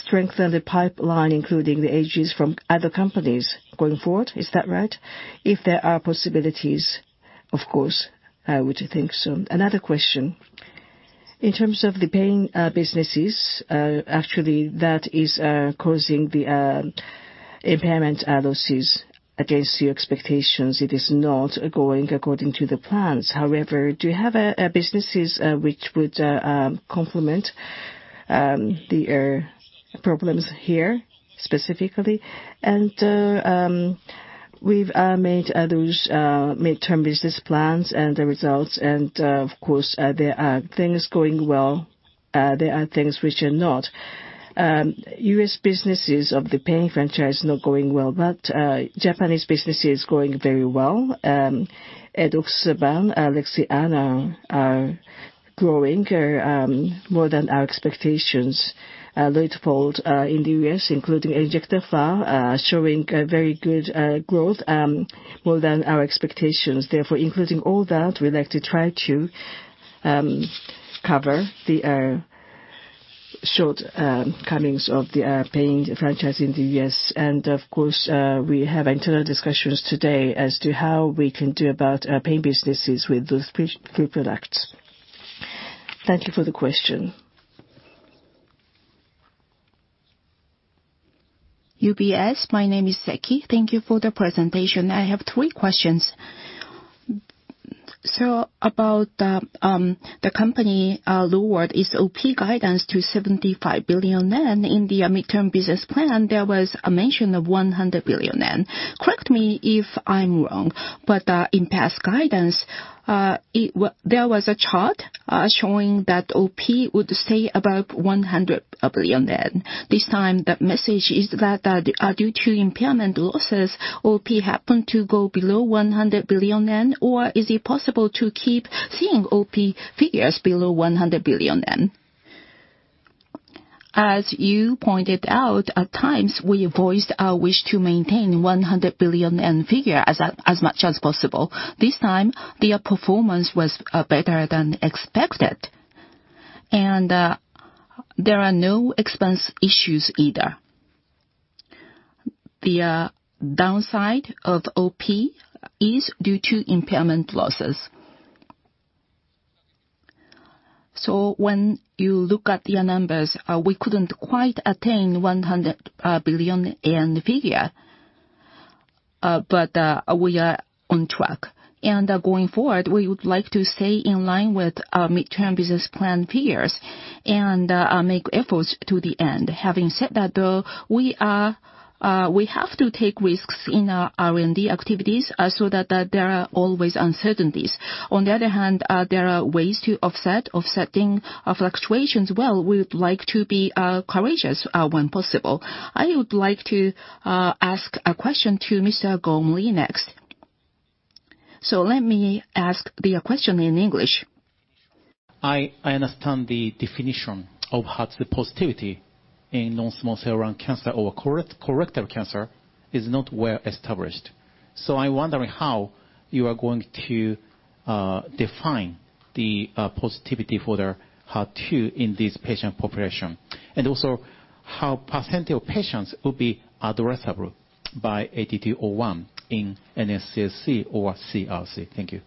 strengthen the pipeline, including the AGs from other companies going forward, is that right? If there are possibilities, of course, I would think so. Another question. In terms of the pain businesses, actually that is causing the impairment losses against your expectations. It is not going according to the plans. However, do you have businesses which would complement the problems here specifically? We've made those midterm business plans and the results, and of course, there are things going well, there are things which are not. U.S. businesses of the pain franchise is not going well, but Japanese business is going very well. Also LIXIANA are growing more than our expectations. Luitpold in the U.S., including Injectafer, are showing very good growth, more than our expectations. Including all that, we like to try to cover the shortcomings of the pain franchise in the U.S. Of course, we have internal discussions today as to how we can do about pain businesses with those three products. Thank you for the question. UBS, my name is Seki. Thank you for the presentation. I have three questions. About the company lowered its OP guidance to 75 billion yen. In the midterm business plan, there was a mention of 100 billion yen. Correct me if I'm wrong, in past guidance, there was a chart showing that OP would stay above 100 billion yen. This time, the message is that due to impairment losses, OP happened to go below 100 billion yen. Is it possible to keep seeing OP figures below 100 billion yen? As you pointed out, at times, we voiced our wish to maintain 100 billion yen as much as possible. This time, the performance was better than expected, and there are no expense issues either. The downside of OP is due to impairment losses. When you look at the numbers, we couldn't quite attain 100 billion yen, but we are on track. Going forward, we would like to stay in line with our mid-term business plan figures and make efforts to the end. Having said that, though, we have to take risks in our R&D activities so that there are always uncertainties. On the other hand, there are ways to offset fluctuations well. We would like to be courageous when possible. I would like to ask a question to Mr. Gormley next. Let me ask the question in English. I understand the definition of HER2 positivity in non-small cell lung cancer or colorectal cancer is not well established. I'm wondering how you are going to define the positivity for the HER2 in this patient population, and also how percent of patients will be addressable by 8201 in NSCLC or CRC. Thank you.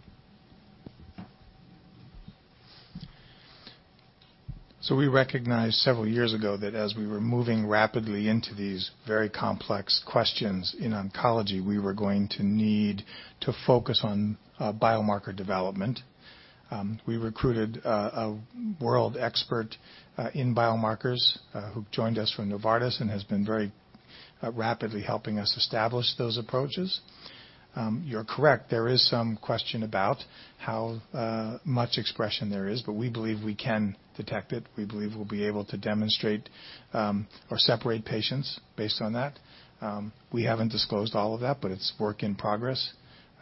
We recognized several years ago that as we were moving rapidly into these very complex questions in oncology, we were going to need to focus on biomarker development. We recruited a world expert in biomarkers who joined us from Novartis and has been very rapidly helping us establish those approaches. You're correct, there is some question about how much expression there is, we believe we can detect it. We believe we'll be able to demonstrate or separate patients based on that. We haven't disclosed all of that, it's work in progress.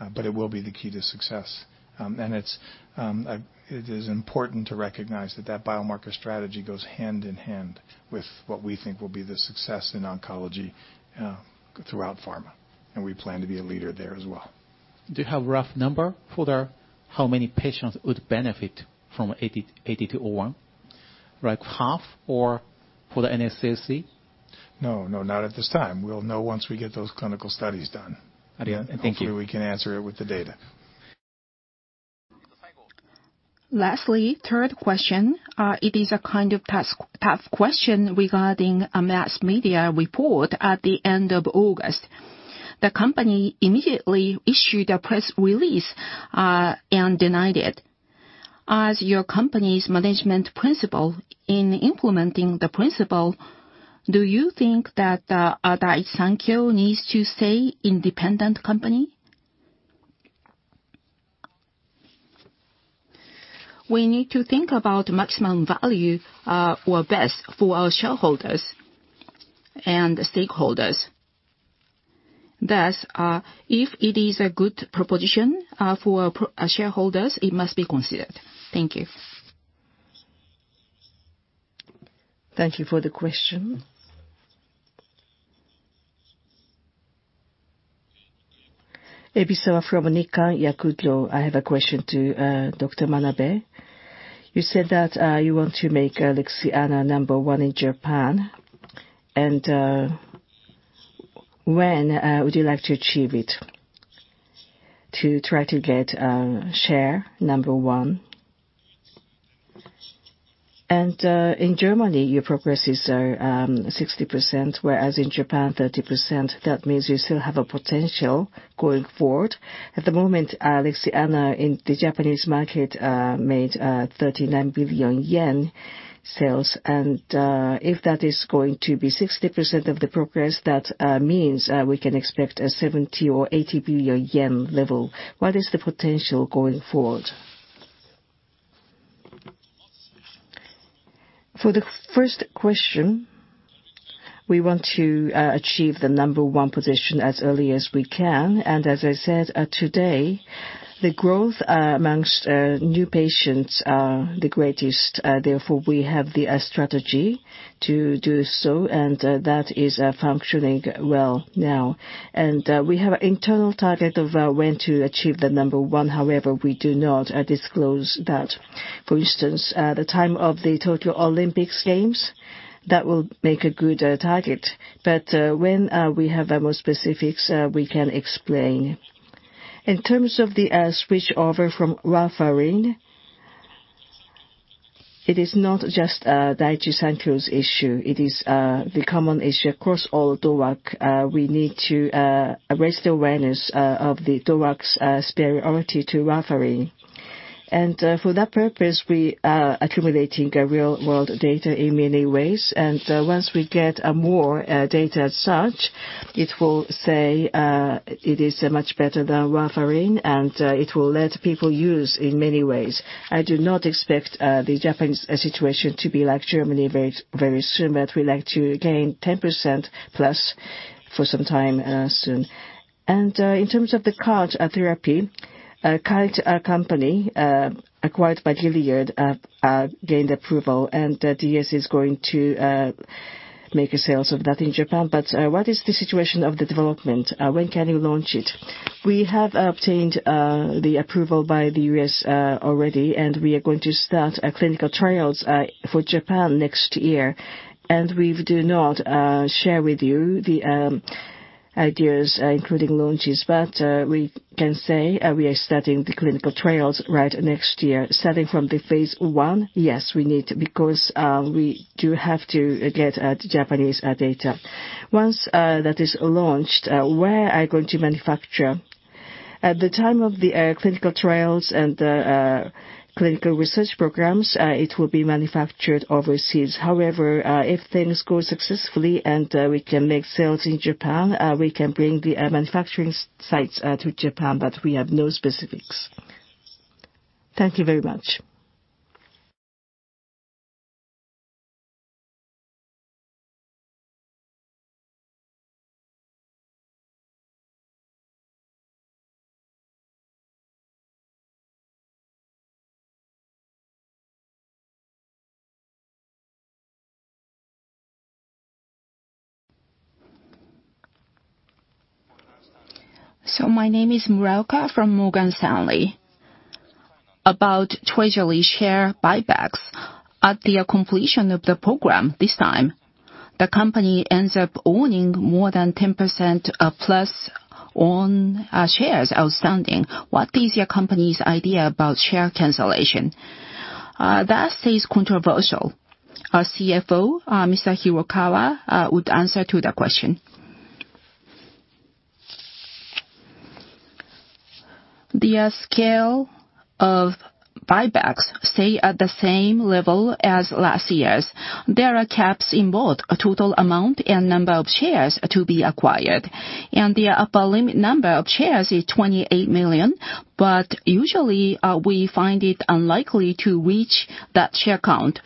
It will be the key to success. It is important to recognize that that biomarker strategy goes hand in hand with what we think will be the success in oncology throughout pharma. We plan to be a leader there as well. Do you have rough number for how many patients would benefit from RS-8201, like half or for the NSCLC? No, not at this time. We'll know once we get those clinical studies done. Thank you. Hopefully we can answer it with the data. Lastly, third question. It is a kind of tough question regarding a mass media report at the end of August. The company immediately issued a press release and denied it. As your company's management principle in implementing the principle, do you think that Daiichi Sankyo needs to stay independent company? We need to think about maximum value or best for our shareholders and stakeholders. If it is a good proposition for our shareholders, it must be considered. Thank you. Thank you for the question. Ebisawa from Nikkan Yakugyo. I have a question to Dr. Manabe. You said that you want to make LIXIANA number one in Japan. When would you like to achieve it, to try to get share number one? In Germany, your progresses are 60%, whereas in Japan, 30%. That means you still have a potential going forward. At the moment, LIXIANA in the Japanese market made 39 billion yen sales. If that is going to be 60% of the progress, that means we can expect a 70 or 80 billion yen level. What is the potential going forward? For the first question, we want to achieve the number one position as early as we can. As I said today, the growth amongst new patients are the greatest. Therefore, we have the strategy to do so, and that is functioning well now. We have an internal target of when to achieve the number one. However, we do not disclose that. For instance, the time of the Tokyo Olympics Games, that will make a good target. When we have more specifics, we can explain. In terms of the switchover from warfarin, it is not just Daiichi Sankyo's issue. It is the common issue across all DOAC. We need to raise the awareness of the DOAC's superiority to warfarin. For that purpose, we are accumulating real world data in many ways. Once we get more data as such, it will say it is much better than warfarin, and it will let people use in many ways. I do not expect the Japanese situation to be like Germany very soon, but we like to gain 10% plus for some time soon. In terms of the CAR-T therapy, CAR-T company acquired by Gilead gained approval, DS is going to make sales of that in Japan. What is the situation of the development? When can you launch it? We have obtained the approval by the U.S. already, we are going to start clinical trials for Japan next year. We do not share with you the ideas, including launches. We can say we are starting the clinical trials right next year. Starting from the phase I, yes, we need to, because we do have to get at Japanese data. Once that is launched, where are you going to manufacture? At the time of the clinical trials and the clinical research programs, it will be manufactured overseas. If things go successfully and we can make sales in Japan, we can bring the manufacturing sites to Japan, but we have no specifics. Thank you very much. My name is Muraoka from Morgan Stanley. About treasury share buybacks. At the completion of the program this time, the company ends up owning more than 10%+ on shares outstanding. What is your company's idea about share cancellation? That stays controversial. Our CFO, Mr. Hirokawa, would answer to the question. The scale of buybacks stay at the same level as last year's. There are caps in both total amount and number of shares to be acquired. The upper limit number of shares is 28 million, but usually, we find it unlikely to reach that share count.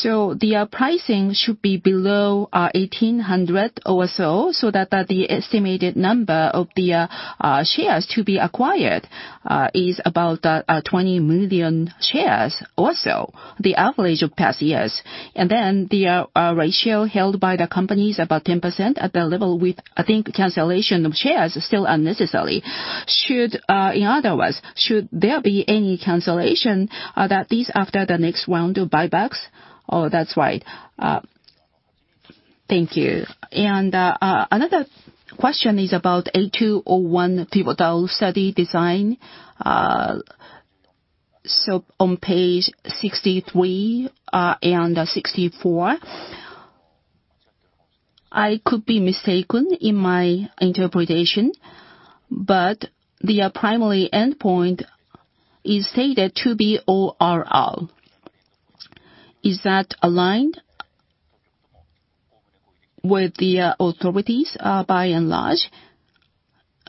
The pricing should be below 1,800 or so that the estimated number of the shares to be acquired is about 20 million shares or so, the average of past years. The ratio held by the company is about 10% at the level with, I think, cancellation of shares is still unnecessary. In other words, should there be any cancellation that is after the next round of buybacks? Oh, that's right. Thank you. Another question is about 8201 pivotal study design. On page 63 and 64, I could be mistaken in my interpretation, but the primary endpoint is stated to be ORR. Is that aligned with the authorities by and large,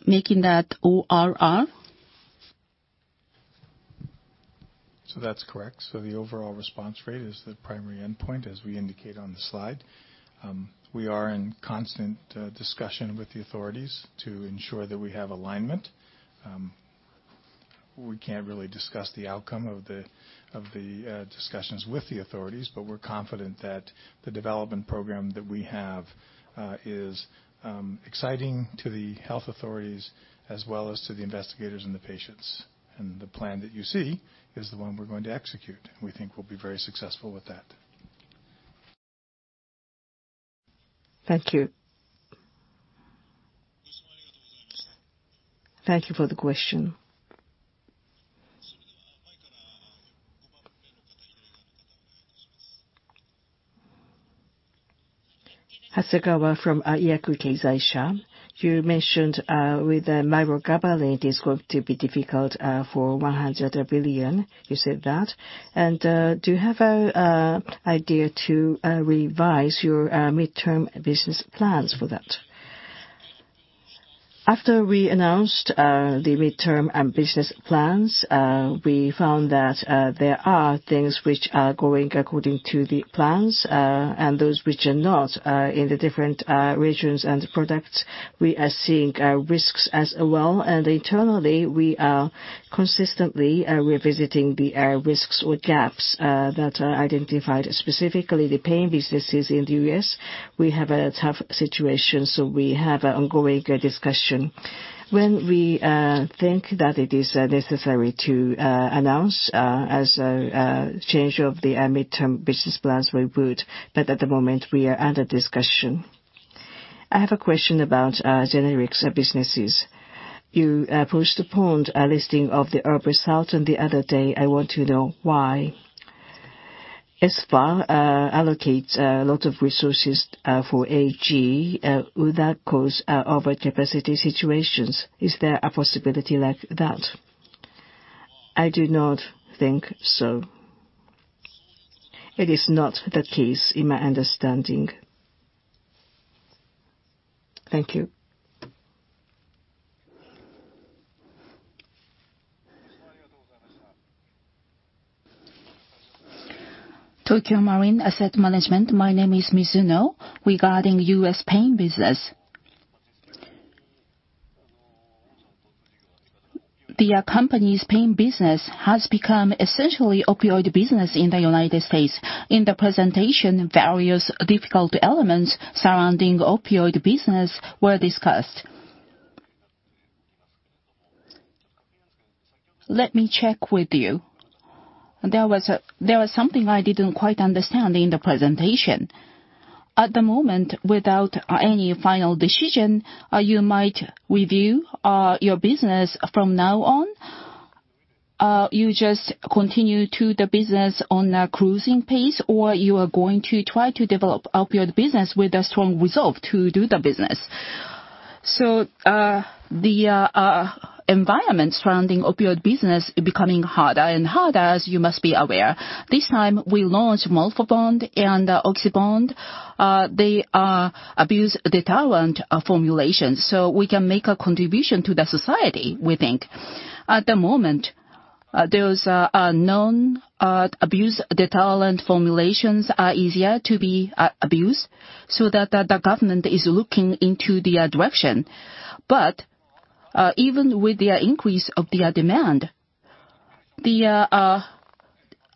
making that ORR? That's correct. The overall response rate is the primary endpoint, as we indicate on the slide. We are in constant discussion with the authorities to ensure that we have alignment. We can't really discuss the outcome of the discussions with the authorities, but we're confident that the development program that we have is exciting to the health authorities as well as to the investigators and the patients. The plan that you see is the one we're going to execute. We think we'll be very successful with that. Thank you. Thank you for the question. Hasegawa from Yakult Keizai Sha. You mentioned with mirogabalin, it is going to be difficult for 100 billion. You said that. Do you have an idea to revise your midterm business plans for that? After we announced the midterm business plans, we found that there are things which are going according to the plans, and those which are not. In the different regions and products, we are seeing risks as well. Internally, we are consistently revisiting the risks or gaps that are identified. Specifically, the pain businesses in the U.S., we have a tough situation. We have an ongoing discussion. When we think that it is necessary to announce as a change of the midterm business plans, we would. At the moment, we are under discussion. I have a question about generics businesses. You postponed a listing of the [result] on the other day. I want to know why. Espha allocates a lot of resources for AG. Will that cause overcapacity situations? Is there a possibility like that? I do not think so. It is not the case in my understanding. Thank you. Tokio Marine Asset Management, my name is Mizuno. Regarding U.S. pain business. The company's pain business has become essentially opioid business in the U.S. In the presentation, various difficult elements surrounding opioid business were discussed. Let me check with you. There was something I didn't quite understand in the presentation. At the moment, without any final decision, you might review your business from now on, you just continue to the business on a cruising pace, or you are going to try to develop opioid business with a strong resolve to do the business. The environment surrounding opioid business is becoming harder and harder, as you must be aware. This time we launched Morphabond and RoxyBond. They are abuse-deterrent formulations, so we can make a contribution to the society, we think. At the moment, those non-abuse-deterrent formulations are easier to be abused, the government is looking into the direction. Even with the increase of their demand, the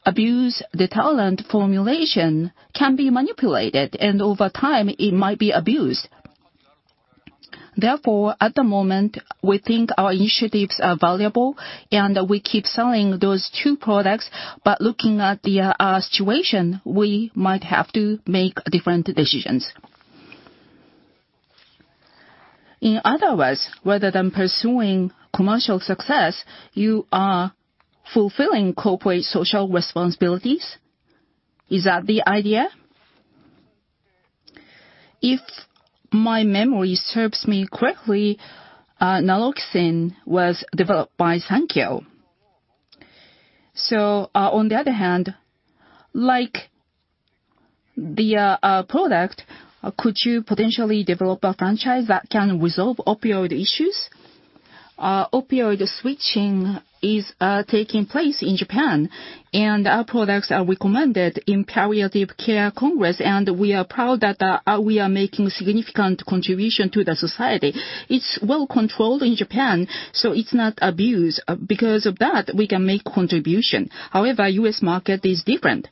abuse-deterrent formulation can be manipulated, and over time, it might be abused. Therefore, at the moment, we think our initiatives are valuable, and we keep selling those two products. Looking at the situation, we might have to make different decisions. In other words, rather than pursuing commercial success, you are fulfilling corporate social responsibilities. Is that the idea? If my memory serves me correctly, naloxone was developed by Sankyo. On the other hand, like the product, could you potentially develop a franchise that can resolve opioid issues? Opioid switching is taking place in Japan, and our products are recommended in Palliative Care Congress, and we are proud that we are making significant contribution to the society. It's well-controlled in Japan, it's not abused. Because of that, we can make contribution. However, U.S. market is different.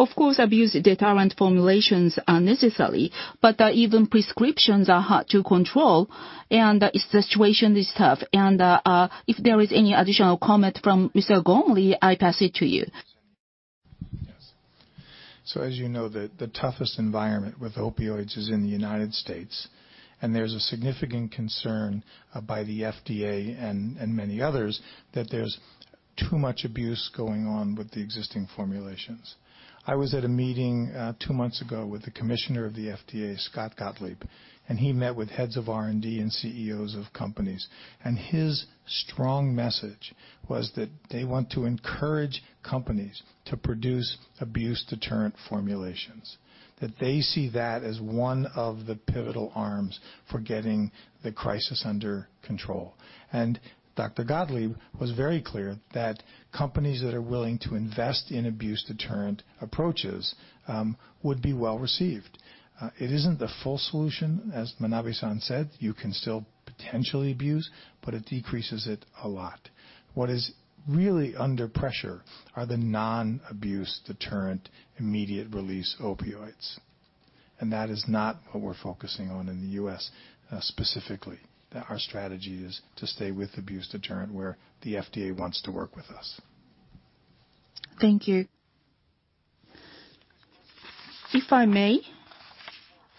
Of course, abuse-deterrent formulations are necessary, but even prescriptions are hard to control, and the situation is tough. If there is any additional comment from Mr. Gormley, I pass it to you. Yes. As you know, the toughest environment with opioids is in the United States, and there's a significant concern by the FDA and many others that there's too much abuse going on with the existing formulations. I was at a meeting two months ago with the Commissioner of the FDA, Scott Gottlieb, he met with heads of R&D and CEOs of companies. His strong message was that they want to encourage companies to produce abuse-deterrent formulations, that they see that as one of the pivotal arms for getting the crisis under control. Dr. Gottlieb was very clear that companies that are willing to invest in abuse-deterrent approaches would be well-received. It isn't the full solution, as Manabe-san said, you can still potentially abuse, but it decreases it a lot. What is really under pressure are the non-abuse-deterrent immediate-release opioids. That is not what we're focusing on in the U.S. specifically. Our strategy is to stay with abuse deterrent, where the FDA wants to work with us. Thank you. If I may,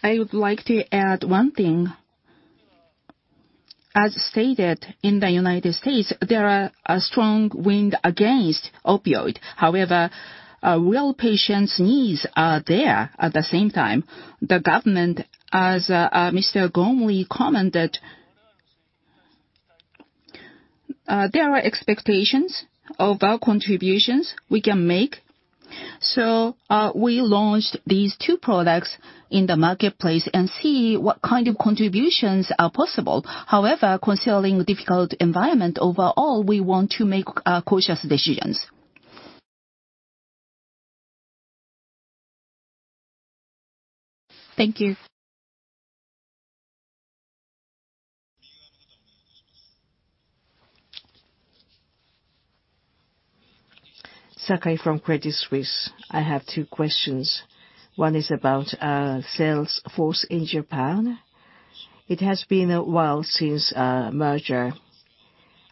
I would like to add one thing. As stated, in the United States, there are a strong wind against opioid. Real patients' needs are there. At the same time, the government, as Mr. Gormley commented, there are expectations of our contributions we can make. We launched these two products in the marketplace and see what kind of contributions are possible. Considering difficult environment overall, we want to make cautious decisions. Thank you. Sakai from Credit Suisse. I have two questions. One is about sales force in Japan. It has been a while since merger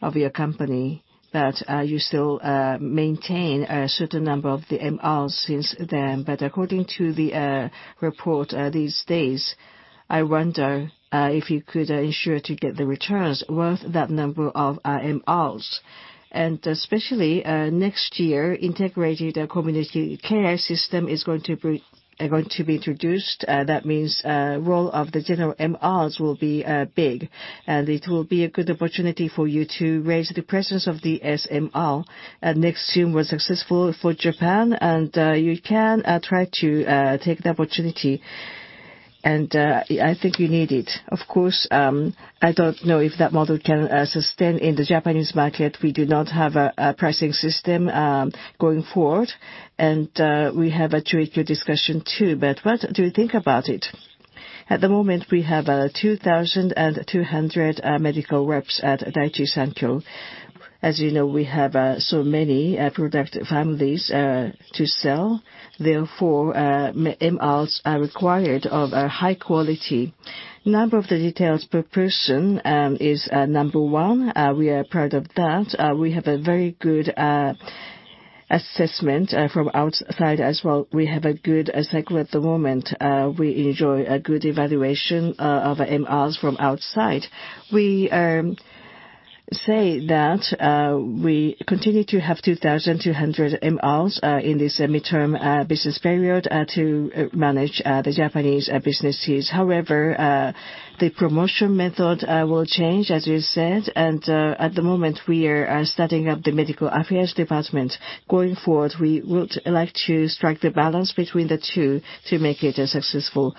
of your company, but you still maintain a certain number of the MRs since then. According to the report these days, I wonder if you could ensure to get the returns worth that number of MRs. Especially next year, integrated community care system is going to be introduced. That means role of the general MRs will be big, and it will be a good opportunity for you to raise the presence of the SMR. Next year was successful for Japan, and you can try to take the opportunity. I think you need it. Of course, I don't know if that model can sustain in the Japanese market. We do not have a pricing system going forward, and we have a tricky discussion too. What do you think about it? At the moment, we have 2,200 medical reps at Daiichi Sankyo. As you know, we have so many product families to sell, therefore, MRs are required of a high quality. Number of the details per person is number one. We are proud of that. We have a very good assessment from outside as well. We have a good cycle at the moment. We enjoy a good evaluation of MRs from outside. We say that we continue to have 2,200 MRs in this midterm business period to manage the Japanese businesses. However, the promotion method will change, as you said, at the moment we are starting up the medical affairs department. Going forward, we would like to strike the balance between the two to make it successful.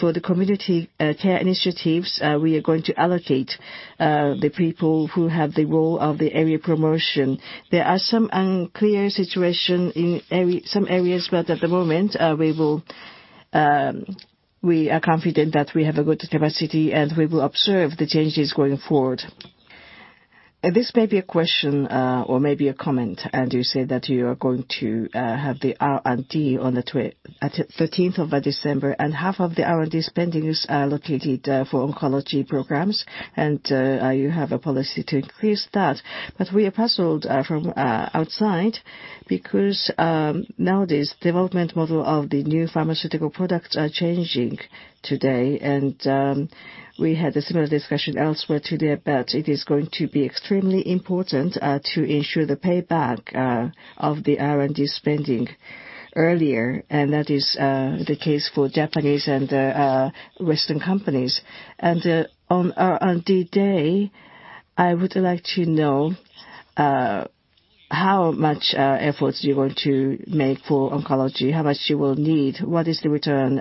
For the community care initiatives, we are going to allocate the people who have the role of the area promotion. There are some unclear situation in some areas, but at the moment we are confident that we have a good capacity, we will observe the changes going forward. This may be a question or maybe a comment, you said that you are going to have the R&D on the 13th of December, and half of the R&D spendings are allocated for oncology programs. You have a policy to increase that. We are puzzled from outside because nowadays development model of the new pharmaceutical products are changing today. We had a similar discussion elsewhere today about it is going to be extremely important to ensure the payback of the R&D spending earlier, that is the case for Japanese and Western companies. On R&D day, I would like to know how much efforts you're going to make for oncology, how much you will need, what is the return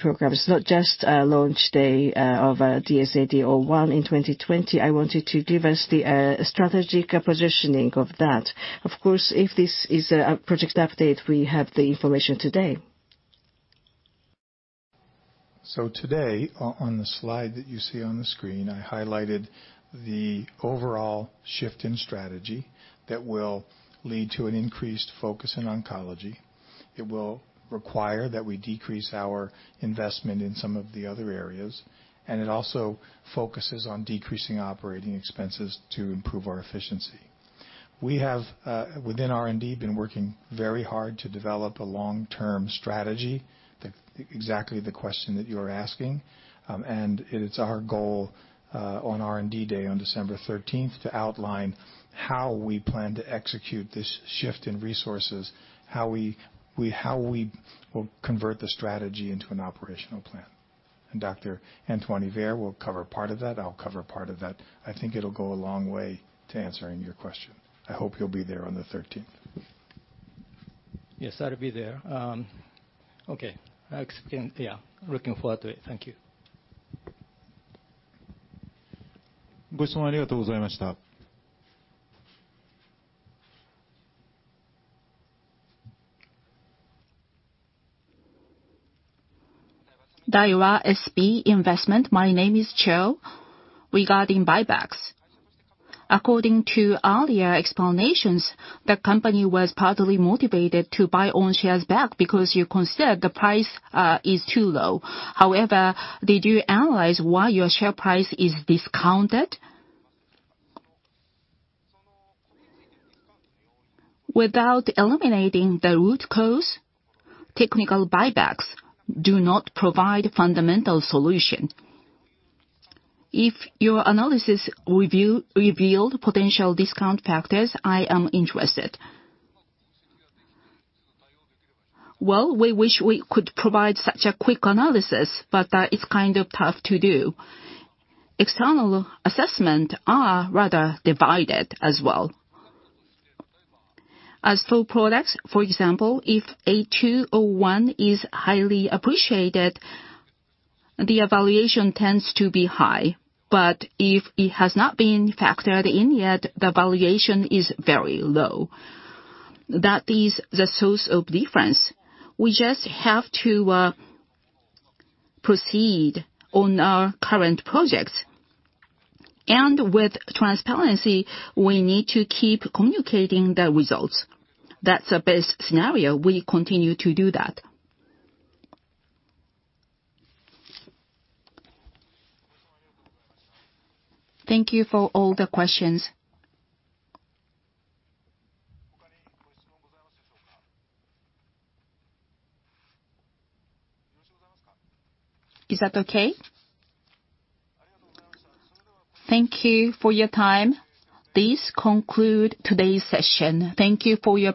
programs, not just launch day of DSAD01 in 2020. I wanted to give us the strategic positioning of that. Of course, if this is a project update, we have the information today. Today on the slide that you see on the screen, I highlighted the overall shift in strategy that will lead to an increased focus in oncology. It will require that we decrease our investment in some of the other areas, it also focuses on decreasing operating expenses to improve our efficiency. We have, within R&D, been working very hard to develop a long-term strategy. Exactly the question that you're asking. It's our goal on R&D day on December 13th to outline how we plan to execute this shift in resources, how we will convert the strategy into an operational plan. Dr. Antoine Yver will cover part of that. I'll cover part of that. I think it'll go a long way to answering your question. I hope you'll be there on the 13th. Yes, I'll be there. Okay. Yeah, looking forward to it. Thank you. Daiwa SB Investments. My name is Cho. Regarding buybacks, according to earlier explanations, the company was partly motivated to buy own shares back because you considered the price is too low. Did you analyze why your share price is discounted? Without eliminating the root cause, technical buybacks do not provide fundamental solution. If your analysis revealed potential discount factors, I am interested. Well, we wish we could provide such a quick analysis, but it's kind of tough to do. External assessment are rather divided as well. As for products, for example, if 8201 is highly appreciated, the evaluation tends to be high. If it has not been factored in yet, the valuation is very low. That is the source of difference. We just have to proceed on our current projects, and with transparency, we need to keep communicating the results. That's the best scenario. We continue to do that. Thank you for all the questions. Is that okay? Thank you for your time. This conclude today's session. Thank you for your-